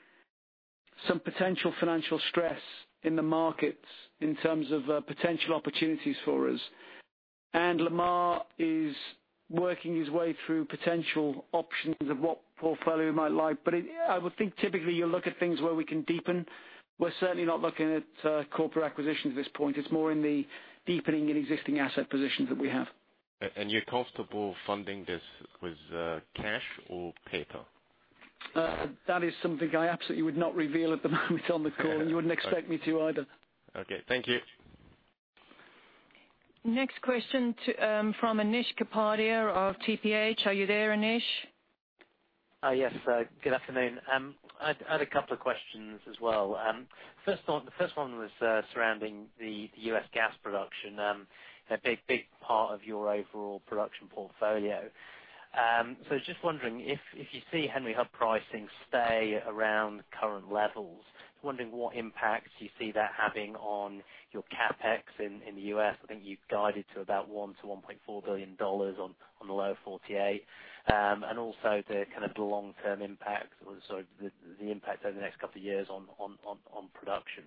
some potential financial stress in the markets in terms of potential opportunities for us. Lamar is working his way through potential options of what portfolio we might like. I would think typically you look at things where we can deepen. We're certainly not looking at corporate acquisitions at this point. It's more in the deepening in existing asset positions that we have. You're comfortable funding this with cash or paper? That is something I absolutely would not reveal at the moment on the call, and you wouldn't expect me to either. Okay. Thank you. Next question from Anish Kapadia of TPH. Are you there, Anish? Yes. Good afternoon. I had a couple of questions as well. First one was surrounding the U.S. gas production, a big part of your overall production portfolio. Just wondering if you see Henry Hub pricing stay around current levels, just wondering what impacts you see that having on your CapEx in the U.S. I think you've guided to about $1 billion-$1.4 billion on the Lower 48. Also the kind of the long-term impact, or sorry, the impact over the next couple of years on production.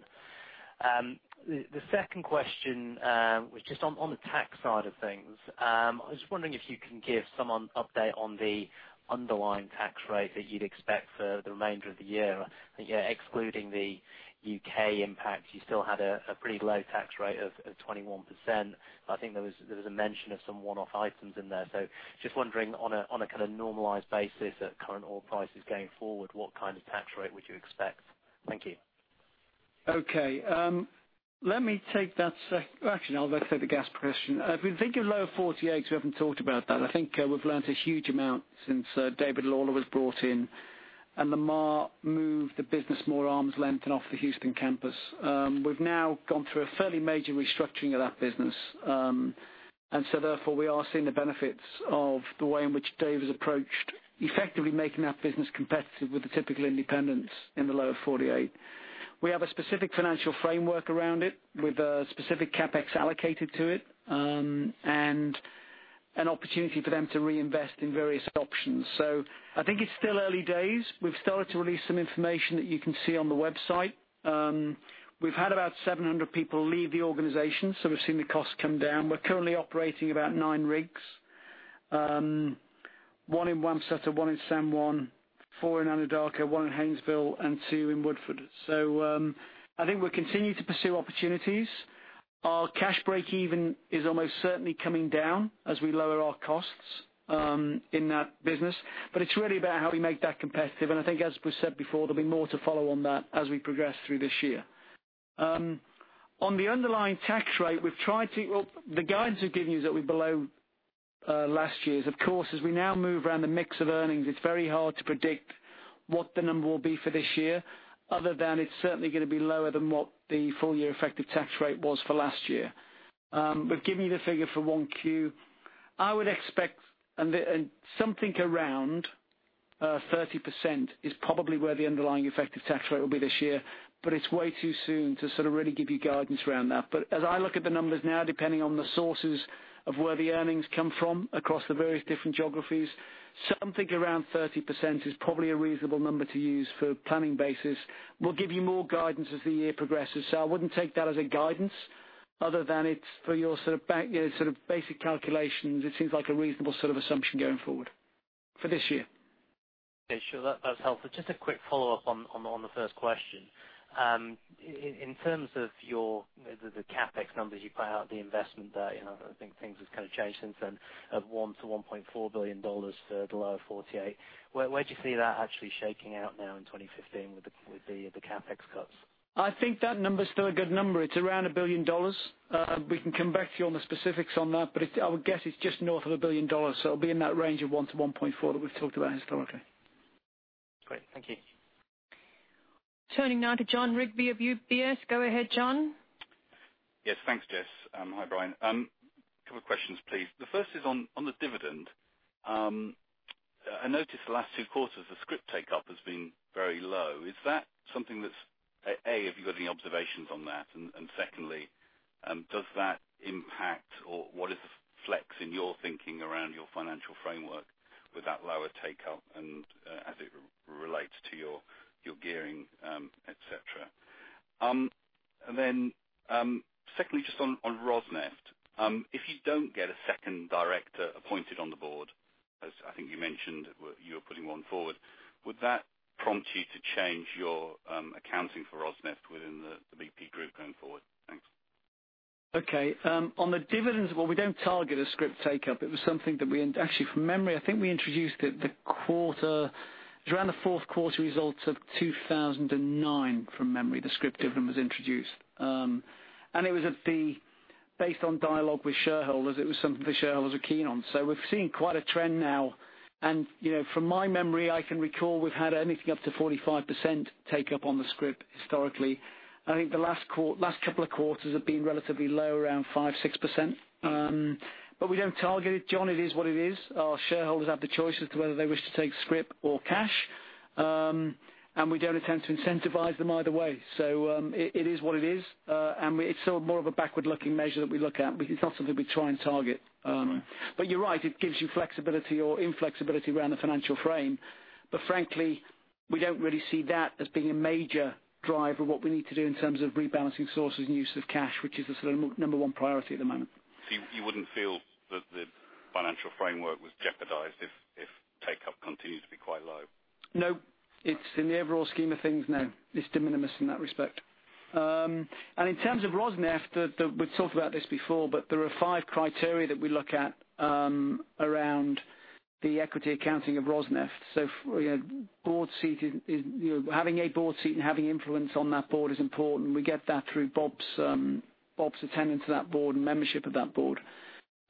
The second question was just on the tax side of things. I was just wondering if you can give some update on the underlying tax rate that you'd expect for the remainder of the year. Excluding the U.K. impact, you still had a pretty low tax rate of 21%. I think there was a mention of some one-off items in there. Just wondering on a kind of normalized basis at current oil prices going forward, what kind of tax rate would you expect? Thank you. Okay. Let me take that sec. Actually, no, let's take the gas price question. If we think of Lower 48, because we haven't talked about that, I think we've learned a huge amount since David Lawler was brought in, and Lamar moved the business more arm's length and off the Houston campus. We've now gone through a fairly major restructuring of that business. Therefore, we are seeing the benefits of the way in which Dave has approached effectively making that business competitive with the typical independents in the Lower 48. We have a specific financial framework around it with a specific CapEx allocated to it, and an opportunity for them to reinvest in various options. I think it's still early days. We've started to release some information that you can see on the website. We've had about 700 people leave the organization, so we've seen the costs come down. We're currently operating about nine rigs, one in Wamsutter, one in San Juan, four in Anadarko, one in Haynesville, and two in Woodford. I think we'll continue to pursue opportunities. Our cash break-even is almost certainly coming down as we lower our costs in that business. It's really about how we make that competitive. I think as we said before, there'll be more to follow on that as we progress through this year. On the underlying tax rate, the guidance we've given you is that we're below last year's. Of course, as we now move around the mix of earnings, it's very hard to predict what the number will be for this year, other than it's certainly going to be lower than what the full-year effective tax rate was for last year. Giving you the figure for one Q, I would expect something around 30% is probably where the underlying effective tax rate will be this year, but it's way too soon to sort of really give you guidance around that. As I look at the numbers now, depending on the sources of where the earnings come from across the various different geographies, something around 30% is probably a reasonable number to use for planning basis. We'll give you more guidance as the year progresses. I wouldn't take that as a guidance other than it's for your sort of basic calculations. It seems like a reasonable sort of assumption going forward for this year. Okay, sure. That's helpful. Just a quick follow-up on the first question. In terms of your, the CapEx numbers you put out, the investment, I think things have kind of changed since then of $1 billion to $1.4 billion for the Lower 48. Where do you see that actually shaking out now in 2015 with the CapEx cuts? I think that number's still a good number. It's around $1 billion. We can come back to you on the specifics on that, but I would guess it's just north of $1 billion, so it'll be in that range of $1 billion to $1.4 billion that we've talked about historically. Great. Thank you. Turning now to Jon Rigby of UBS. Go ahead, Jon. Yes, thanks, Jess. Hi, Brian. Couple of questions, please. The first is on the dividend. I noticed the last two quarters, the scrip take-up has been very low. Have you got any observations on that? Secondly, does that impact or what is the flex in your thinking around your financial framework with that lower take-up and as it relates to your gearing, et cetera? Secondly, just on Rosneft, if you don't get a second director appointed on the board, as I think you mentioned you were putting one forward, would that prompt you to change your accounting for Rosneft within the BP group going forward? Thanks. Okay. On the dividends, well, we don't target a scrip take-up. Actually, from memory, I think we introduced it around the fourth quarter results of 2009, from memory, the scrip dividend was introduced. It was based on dialogue with shareholders. It was something the shareholders were keen on. We're seeing quite a trend now and, from my memory, I can recall we've had anything up to 45% take-up on the scrip historically. I think the last couple of quarters have been relatively low, around 5%-6%. We don't target it, Jon. It is what it is. Our shareholders have the choice as to whether they wish to take scrip or cash, and we don't attempt to incentivize them either way. It is what it is. It's more of a backward-looking measure that we look at, but it's not something we try and target. All right. You're right, it gives you flexibility or inflexibility around the financial frame. Frankly, we don't really see that as being a major driver of what we need to do in terms of rebalancing sources and use of cash, which is the sort of number one priority at the moment. You wouldn't feel that the financial framework was jeopardized if take-up continues to be quite low? No. In the overall scheme of things, no. It's de minimis in that respect. In terms of Rosneft, we've talked about this before, there are five criteria that we look at around the equity accounting of Rosneft. Having a board seat and having influence on that board is important. We get that through Bob's attendance of that board and membership of that board.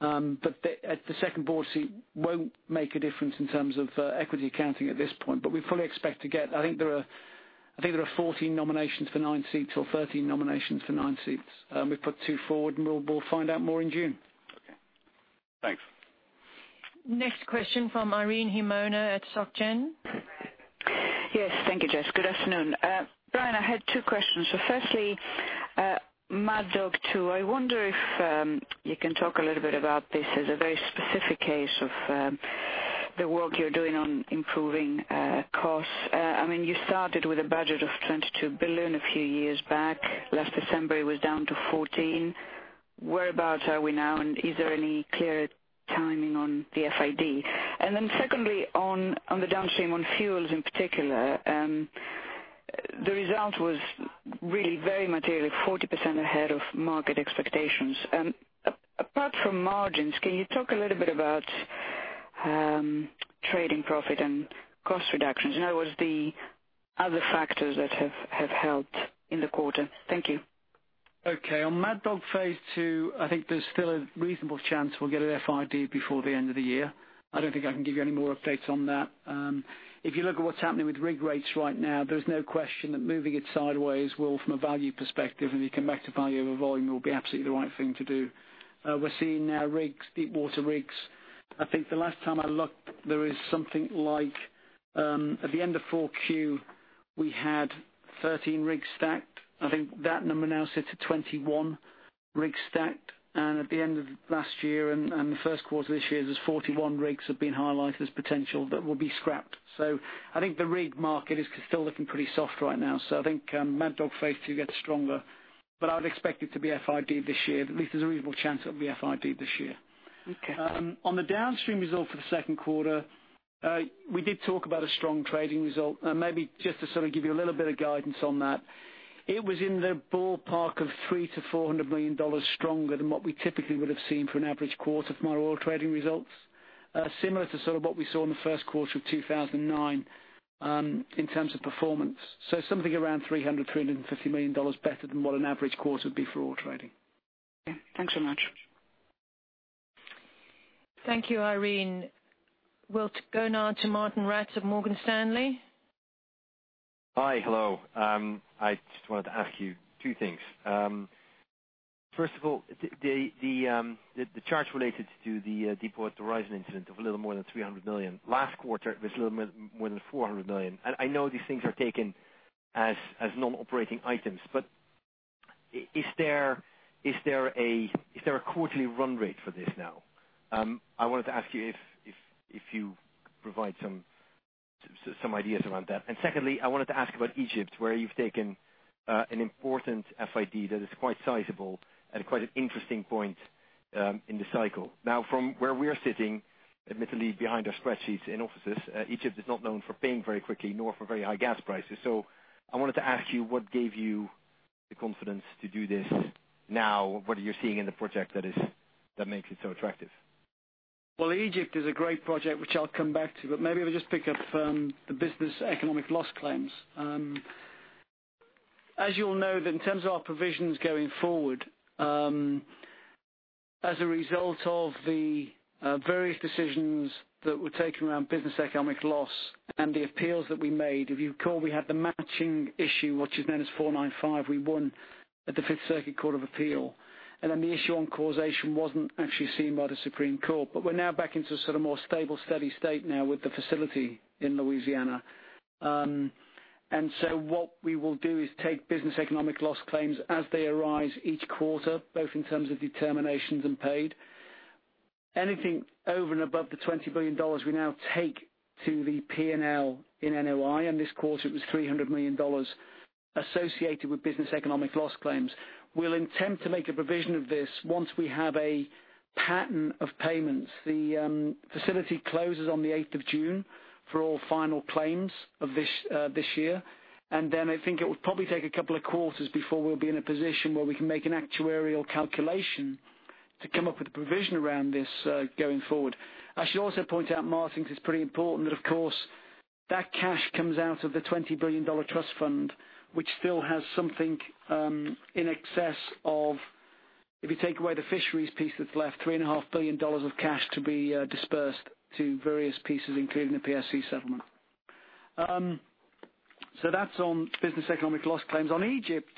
The second board seat won't make a difference in terms of equity accounting at this point. We fully expect to get, I think there are 14 nominations for nine seats or 13 nominations for nine seats. We've put two forward, and we'll find out more in June. Okay. Thanks. Next question from Irene Himona at SocGen. Yes. Thank you, Jess. Good afternoon. Brian, I had two questions. Firstly, Mad Dog 2. I wonder if you can talk a little bit about this as a very specific case of the work you're doing on improving costs. You started with a budget of $22 billion a few years back. Last December, it was down to $14 billion. Whereabouts are we now, and is there any clear timing on the FID? Secondly, on the downstream, on fuels in particular, the result was really very materially 40% ahead of market expectations. Apart from margins, can you talk a little bit about trading profit and cost reductions, in other words, the other factors that have helped in the quarter? Thank you. Okay. On Mad Dog Phase 2, I think there's still a reasonable chance we'll get an FID before the end of the year. I don't think I can give you any more updates on that. If you look at what's happening with rig rates right now, there is no question that moving it sideways will, from a value perspective, if you come back to value over volume, will be absolutely the right thing to do. We're seeing now rigs, deepwater rigs. I think the last time I looked, there is something like at the end of 4Q, we had 13 rigs stacked. I think that number now sits at 21 rigs stacked. At the end of last year and the first quarter of this year, there's 41 rigs have been highlighted as potential that will be scrapped. I think the rig market is still looking pretty soft right now. I think Mad Dog Phase 2 gets stronger, but I'd expect it to be FID this year. At least there's a reasonable chance it'll be FID this year. Okay. On the downstream result for the second quarter, we did talk about a strong trading result, maybe just to sort of give you a little bit of guidance on that. It was in the ballpark of $300 million-$400 million stronger than what we typically would have seen for an average quarter from our oil trading results. Similar to sort of what we saw in the first quarter of 2009 in terms of performance. Something around $300 million, $350 million better than what an average quarter would be for oil trading. Okay. Thanks so much. Thank you, Irene. We'll go now to Martijn Rats of Morgan Stanley. Hi. Hello. I just wanted to ask you two things. First of all, the charge related to the Deepwater Horizon incident of a little more than $300 million. Last quarter, it was a little more than $400 million. I know these things are taken as non-operating items, but is there a quarterly run rate for this now? I wanted to ask you if you could provide some ideas around that. Secondly, I wanted to ask about Egypt, where you've taken an important FID that is quite sizable at quite an interesting point in the cycle. From where we're sitting, admittedly behind our spreadsheets in offices, Egypt is not known for paying very quickly nor for very high gas prices. I wanted to ask you what gave you the confidence to do this now? What are you seeing in the project that makes it so attractive? Well, Egypt is a great project, which I'll come back to, but maybe if I just pick up the business economic loss claims. As you'll know that in terms of our provisions going forward. As a result of the various decisions that were taken around business economic loss and the appeals that we made. If you recall, we had the matching issue, which is known as 495. We won at the Fifth Circuit Court of Appeal, then the issue on causation wasn't actually seen by the Supreme Court. We're now back into sort of more stable, steady state now with the facility in Louisiana. What we will do is take business economic loss claims as they arise each quarter, both in terms of determinations and paid. Anything over and above the $20 billion we now take to the P&L in NOI, and this quarter it was $300 million associated with business economic loss claims. We'll intend to make a provision of this once we have a pattern of payments. The facility closes on the eighth of June for all final claims of this year. I think it would probably take a couple of quarters before we'll be in a position where we can make an actuarial calculation to come up with a provision around this going forward. I should also point out, Martijn, because it's pretty important, that of course, that cash comes out of the $20 billion trust fund, which still has something in excess of, if you take away the fisheries piece that's left, $3.5 billion of cash to be dispersed to various pieces, including the PSC settlement. That's on business economic loss claims. On Egypt,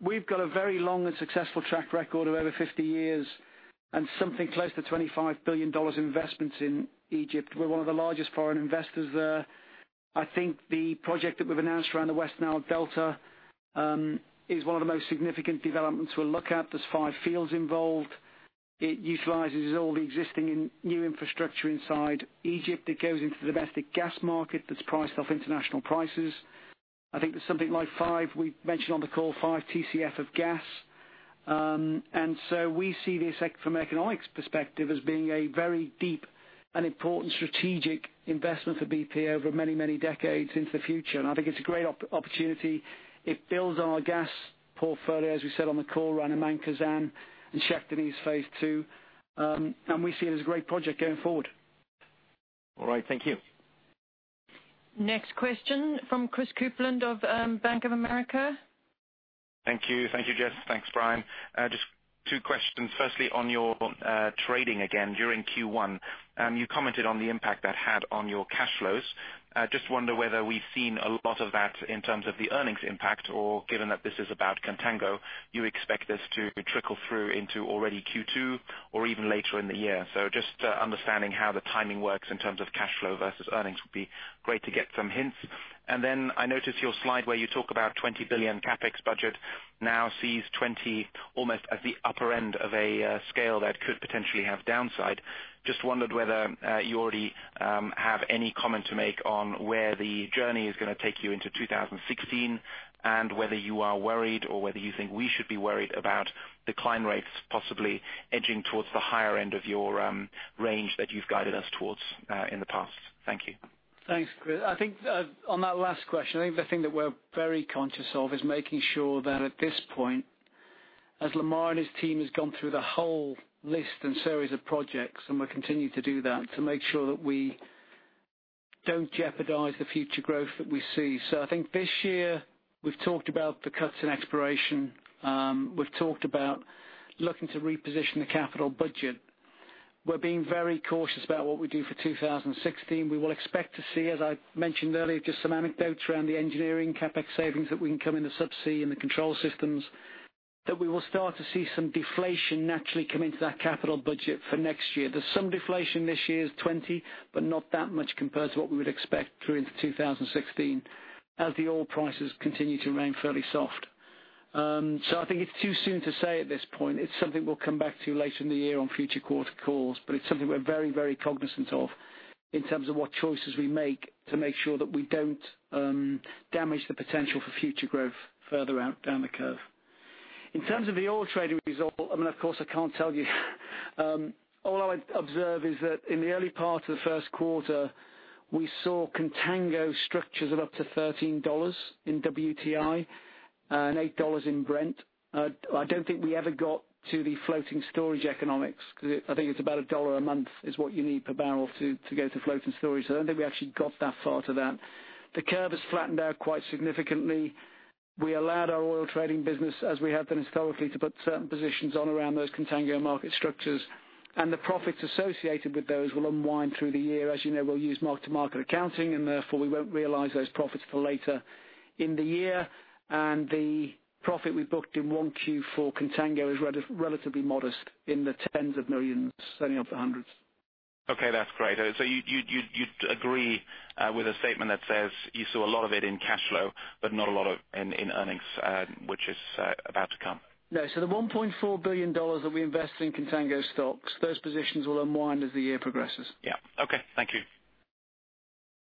we've got a very long and successful track record of over 50 years and something close to $25 billion investment in Egypt. We're one of the largest foreign investors there. I think the project that we've announced around the West Nile Delta is one of the most significant developments we'll look at. There's five fields involved. It utilizes all the existing and new infrastructure inside Egypt. It goes into the domestic gas market that's priced off international prices. I think there's something like five, we mentioned on the call, five TCF of gas. We see this from economics perspective as being a very deep and important strategic investment for BP over many decades into the future. I think it's a great opportunity. It builds on our gas portfolio, as we said on the call, around Khazzan and Shah Deniz Phase Two. We see it as a great project going forward. All right. Thank you. Next question from Christopher Kuplent of Bank of America. Thank you, Jess. Thanks, Brian. Just two questions. Firstly, on your trading again during Q1. You commented on the impact that had on your cash flows. Just wonder whether we've seen a lot of that in terms of the earnings impact, or given that this is about contango, you expect this to trickle through into already Q2 or even later in the year. Just understanding how the timing works in terms of cash flow versus earnings would be great to get some hints. I noticed your slide where you talk about $20 billion CapEx budget now sees 20 almost at the upper end of a scale that could potentially have downside. Just wondered whether you already have any comment to make on where the journey is going to take you into 2016, and whether you are worried or whether you think we should be worried about decline rates possibly edging towards the higher end of your range that you've guided us towards in the past. Thank you. Thanks, Chris. I think on that last question, I think the thing that we're very conscious of is making sure that at this point, as Lamar and his team has gone through the whole list and series of projects, and we'll continue to do that, to make sure that we don't jeopardize the future growth that we see. I think this year we've talked about the cuts in exploration. We've talked about looking to reposition the capital budget. We're being very cautious about what we do for 2016. We will expect to see, as I mentioned earlier, just some anecdotes around the engineering CapEx savings that we can come into subsea and the control systems, that we will start to see some deflation naturally come into that capital budget for next year. There's some deflation this year, 20, but not that much compared to what we would expect through into 2016 as the oil prices continue to remain fairly soft. I think it's too soon to say at this point. It's something we'll come back to later in the year on future quarter calls, but it's something we're very conscious of in terms of what choices we make to make sure that we don't damage the potential for future growth further out down the curve. In terms of the oil trading result, I mean, of course I can't tell you. All I'd observe is that in the early part of the first quarter, we saw contango structures of up to $13 in WTI and $8 in Brent. I don't think we ever got to the floating storage economics, because I think it's about $1 a month is what you need per barrel to go to floating storage. I don't think we actually got that far to that. The curve has flattened out quite significantly. We allowed our oil trading business, as we have done historically, to put certain positions on around those contango market structures. The profits associated with those will unwind through the year. As you know, we'll use mark-to-market accounting, and therefore, we won't realize those profits till later in the year. The profit we booked in 1Q for contango is relatively modest, in the tens of millions, certainly not the hundreds. Okay, that's great. You'd agree with a statement that says you saw a lot of it in cash flow, but not a lot of it in earnings, which is about to come? No. The $1.4 billion that we invested in contango stocks, those positions will unwind as the year progresses. Yeah. Okay. Thank you.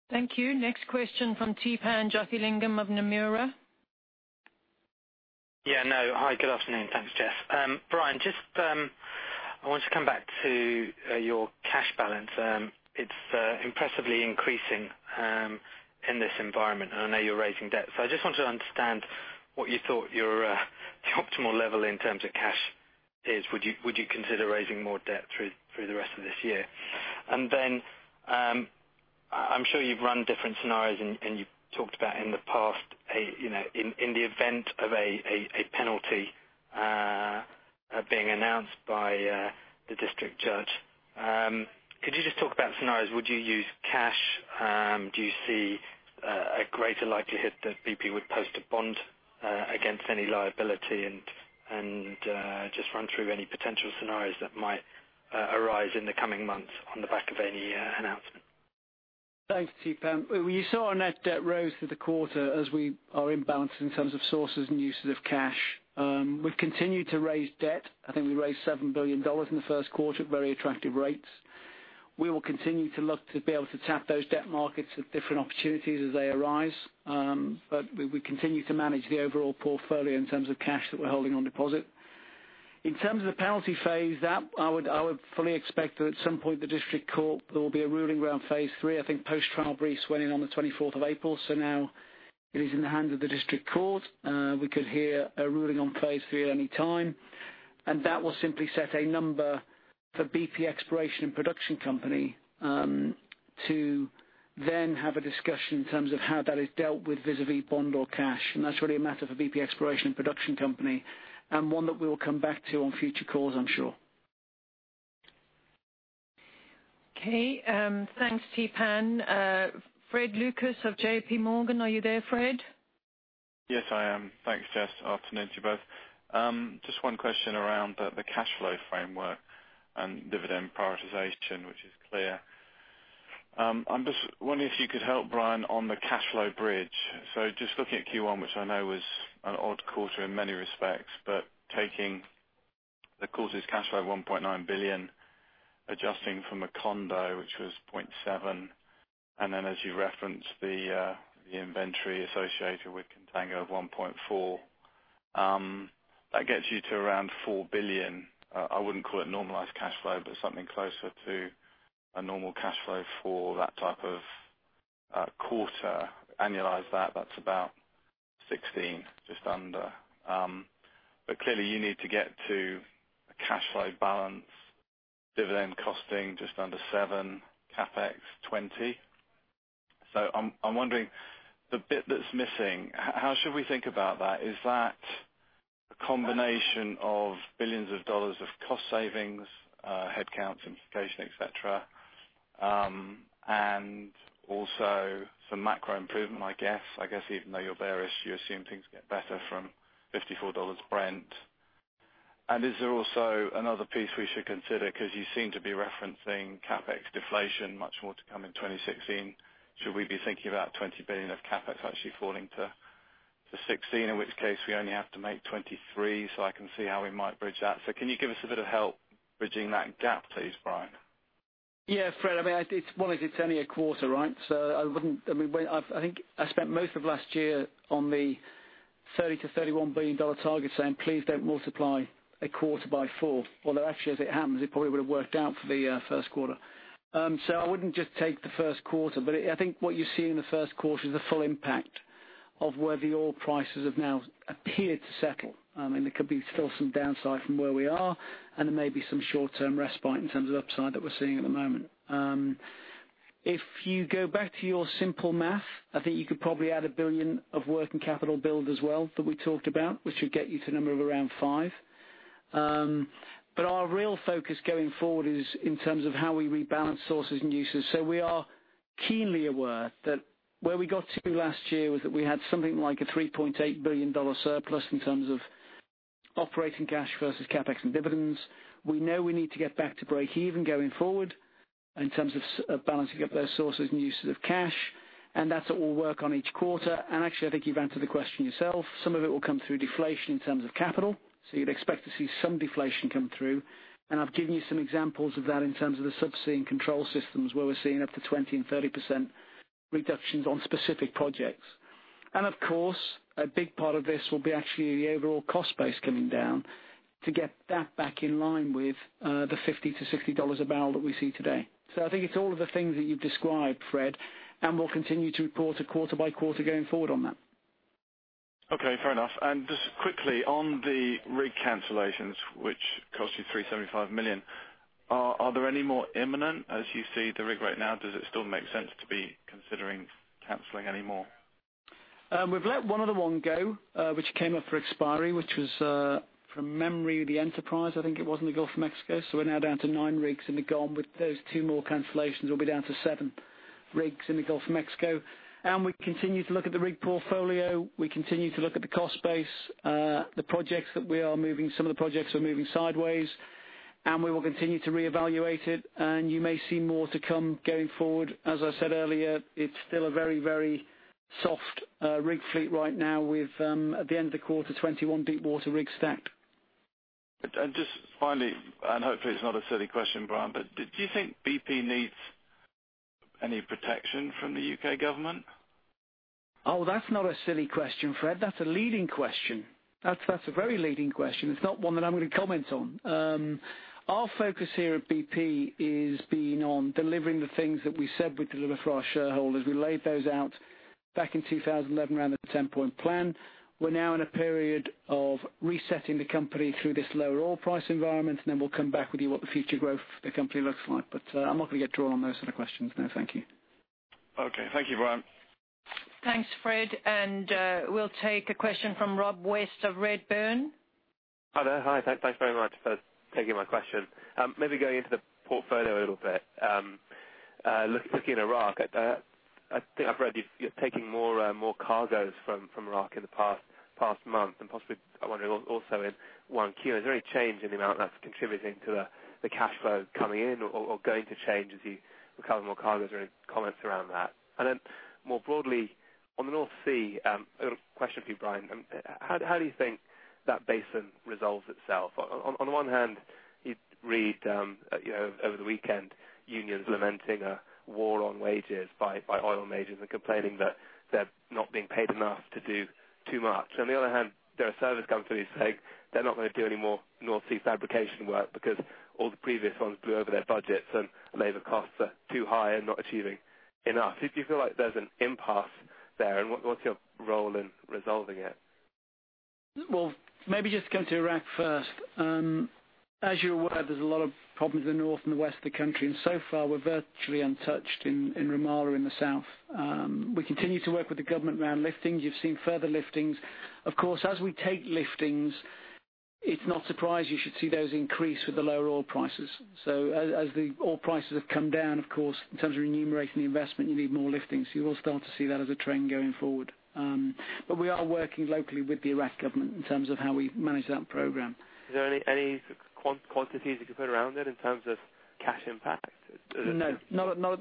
Thank you. Next question from Theepan Jethilingam of Nomura. Yeah. No, hi, good afternoon. Thanks, Jess. Brian, I just want to come back to your cash balance. It's impressively increasing in this environment, and I know you're raising debt. I just want to understand what you thought your optimal level in terms of cash is. Would you consider raising more debt through the rest of this year? I'm sure you've run different scenarios, and you've talked about in the past, in the event of a penalty being announced by the district judge. Could you just talk about scenarios? Would you use cash? Do you see a greater likelihood that BP would post a bond against any liability? Just run through any potential scenarios that might arise in the coming months on the back of any announcement. Thanks, Theepan. You saw our net debt rose through the quarter as we are imbalanced in terms of sources and uses of cash. We've continued to raise debt. I think we raised $7 billion in the first quarter at very attractive rates. We will continue to look to be able to tap those debt markets at different opportunities as they arise. We continue to manage the overall portfolio in terms of cash that we're holding on deposit. In terms of the penalty phase, that I would fully expect that at some point the district court, there will be a ruling around phase three. I think post-trial briefs went in on the 24th of April. Now it is in the hands of the district court. We could hear a ruling on phase three at any time. That will simply set a number for BP Exploration & Production Inc., to then have a discussion in terms of how that is dealt with vis-à-vis bond or cash. That's really a matter for BP Exploration & Production Inc., and one that we will come back to on future calls, I'm sure. Okay, thanks, Theepan. Fred Lucas of J.P. Morgan. Are you there, Fred? Yes, I am. Thanks, Jess. Afternoon to you both. Just one question around the cash flow framework and dividend prioritization, which is clear. I'm just wondering if you could help, Brian, on the cash flow bridge. Just looking at Q1, which I know was an odd quarter in many respects, but taking the quarter's cash flow of $1.9 billion, adjusting for Macondo, which was $0.7 billion, and then as you referenced, the inventory associated with contango of $1.4 billion. That gets you to around $4 billion. I wouldn't call it normalized cash flow, but something closer to a normal cash flow for that type of quarter. Annualize that's about $16 billion, just under. Clearly you need to get to a cash flow balance, dividend costing just under $7 billion, CapEx $20 billion. I'm wondering, the bit that's missing, how should we think about that? Is that a combination of billions of dollars of cost savings, headcount simplification, et cetera, and also some macro improvement, I guess? I guess even though you're bearish, you assume things get better from $54 Brent. Is there also another piece we should consider? Because you seem to be referencing CapEx deflation, much more to come in 2016. Should we be thinking about $20 billion of CapEx actually falling to $16 billion? In which case we only have to make $23 billion. I can see how we might bridge that. Can you give us a bit of help bridging that gap, please, Brian? Yeah, Fred, one, it's only a quarter, right? I think I spent most of last year on the $30 billion-$31 billion target saying, please don't multiply a quarter by four. Although actually, as it happens, it probably would've worked out for the first quarter. I wouldn't just take the first quarter, I think what you see in the first quarter is the full impact of where the oil prices have now appeared to settle. There could be still some downside from where we are, there may be some short-term respite in terms of upside that we're seeing at the moment. If you go back to your simple math, I think you could probably add $1 billion of working capital build as well, that we talked about, which would get you to a number of around five. Our real focus going forward is in terms of how we rebalance sources and uses. We are keenly aware that where we got to last year was that we had something like a $3.8 billion surplus in terms of operating cash versus CapEx and dividends. We know we need to get back to breakeven going forward in terms of balancing up those sources and uses of cash. That's what we'll work on each quarter. Actually, I think you've answered the question yourself. Some of it will come through deflation in terms of capital. You'd expect to see some deflation come through. I've given you some examples of that in terms of the subsea and control systems, where we're seeing up to 20%-30% reductions on specific projects. Of course, a big part of this will be actually the overall cost base coming down to get that back in line with the $50-$60 a barrel that we see today. I think it's all of the things that you've described, Fred, we'll continue to report it quarter by quarter going forward on that. Okay, fair enough. Just quickly, on the rig cancellations, which cost you $375 million, are there any more imminent as you see the rig right now? Does it still make sense to be considering canceling any more? We've let one other one go, which came up for expiry, which was, from memory, the Enterprise, I think it was, in the Gulf of Mexico. We're now down to nine rigs in the Gulf. With those two more cancellations, we'll be down to seven rigs in the Gulf of Mexico. We continue to look at the rig portfolio. We continue to look at the cost base. Some of the projects are moving sideways, and we will continue to reevaluate it, and you may see more to come going forward. As I said earlier, it's still a very soft rig fleet right now with, at the end of the quarter, 21 deepwater rigs stacked. Just finally, and hopefully it's not a silly question, Brian, but do you think BP needs any protection from the U.K. government? Oh, that's not a silly question, Fred. That's a leading question. That's a very leading question. It's not one that I'm going to comment on. Our focus here at BP has been on delivering the things that we said we'd deliver for our shareholders. We laid those out back in 2011, around the 10-point plan. We're now in a period of resetting the company through this lower oil price environment, and then we'll come back with you what the future growth of the company looks like. I'm not going to get drawn on those sort of questions. No, thank you. Okay. Thank you, Brian. Thanks, Fred, we'll take a question from Rob West of Redburn. Hi there. Hi, thanks very much for taking my question. Maybe going into the portfolio a little bit. Looking at Iraq, I think I've read you're taking more cargos from Iraq in the past month. Possibly, I wonder also in 1Q, is there any change in the amount that's contributing to the cash flow coming in or going to change as you recover more cargos or any comments around that? More broadly, on the North Sea, a question for you, Brian. How do you think that basin resolves itself? On the one hand, you'd read over the weekend, unions lamenting a war on wages by oil majors and complaining that they're not being paid enough to do too much. There are service companies saying they're not going to do any more North Sea fabrication work because all the previous ones blew over their budgets and labor costs are too high and not achieving enough. Do you feel like there's an impasse there, and what's your role in resolving it? Maybe just come to Iraq first. As you're aware, there's a lot of problems in the north and the west of the country, and so far, we're virtually untouched in Rumaila in the south. We continue to work with the government around liftings. You've seen further liftings. Of course, as we take liftings, it's not a surprise you should see those increase with the lower oil prices. As the oil prices have come down, of course, in terms of remunerating the investment, you need more liftings. You will start to see that as a trend going forward. We are working locally with the Iraq government in terms of how we manage that program. Is there any quantities you can put around it in terms of cash impact? No.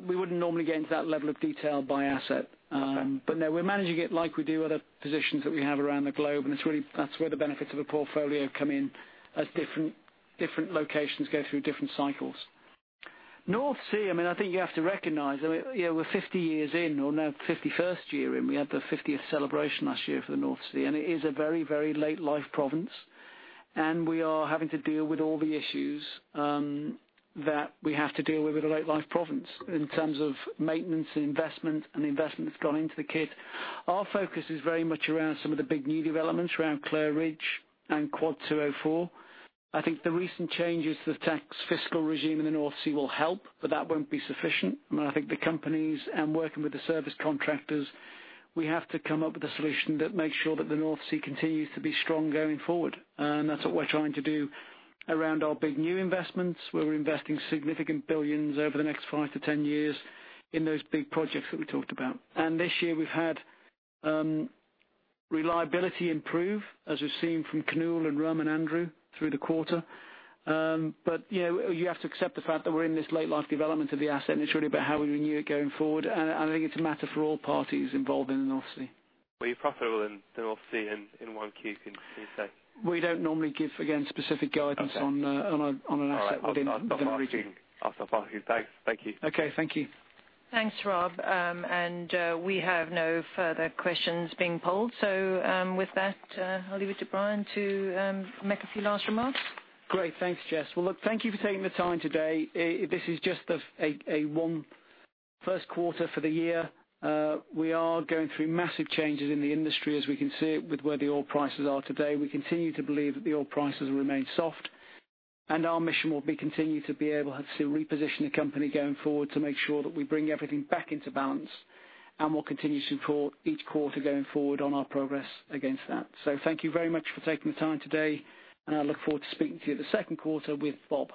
We wouldn't normally get into that level of detail by asset. Okay. No, we're managing it like we do other positions that we have around the globe, and that's where the benefits of a portfolio come in, as different locations go through different cycles. North Sea, I think you have to recognize, we're 50 years in, or now 51st year in. We had the 50th celebration last year for the North Sea, and it is a very late life province. We are having to deal with all the issues that we have to deal with with a late life province in terms of maintenance, investment, and the investment that's gone into the kit. Our focus is very much around some of the big new developments around Clair Ridge and Quad 204. I think the recent changes to the tax fiscal regime in the North Sea will help, but that won't be sufficient. Working with the service contractors, we have to come up with a solution that makes sure that the North Sea continues to be strong going forward. That's what we're trying to do around our big new investments, where we're investing significant billions over the next five to 10 years in those big projects that we talked about. This year, we've had reliability improve, as we've seen from Kinnoull and Rhum and Andrew through the quarter. You have to accept the fact that we're in this late life development of the asset, and it's really about how we renew it going forward. I think it's a matter for all parties involved in the North Sea. Were you profitable in the North Sea in 1Q since day? We don't normally give, again, specific guidance on an asset we're in. All right. I'll stop asking. Thanks. Thank you. Okay. Thank you. Thanks, Rob. We have no further questions being polled. With that, I'll leave it to Brian to make a few last remarks. Great. Thanks, Jess. Well, look, thank you for taking the time today. This is just one first quarter for the year. We are going through massive changes in the industry, as we can see with where the oil prices are today. We continue to believe that the oil prices remain soft. Our mission will be continue to be able to reposition the company going forward to make sure that we bring everything back into balance. We'll continue to report each quarter going forward on our progress against that. Thank you very much for taking the time today, and I look forward to speaking to you the second quarter with Bob.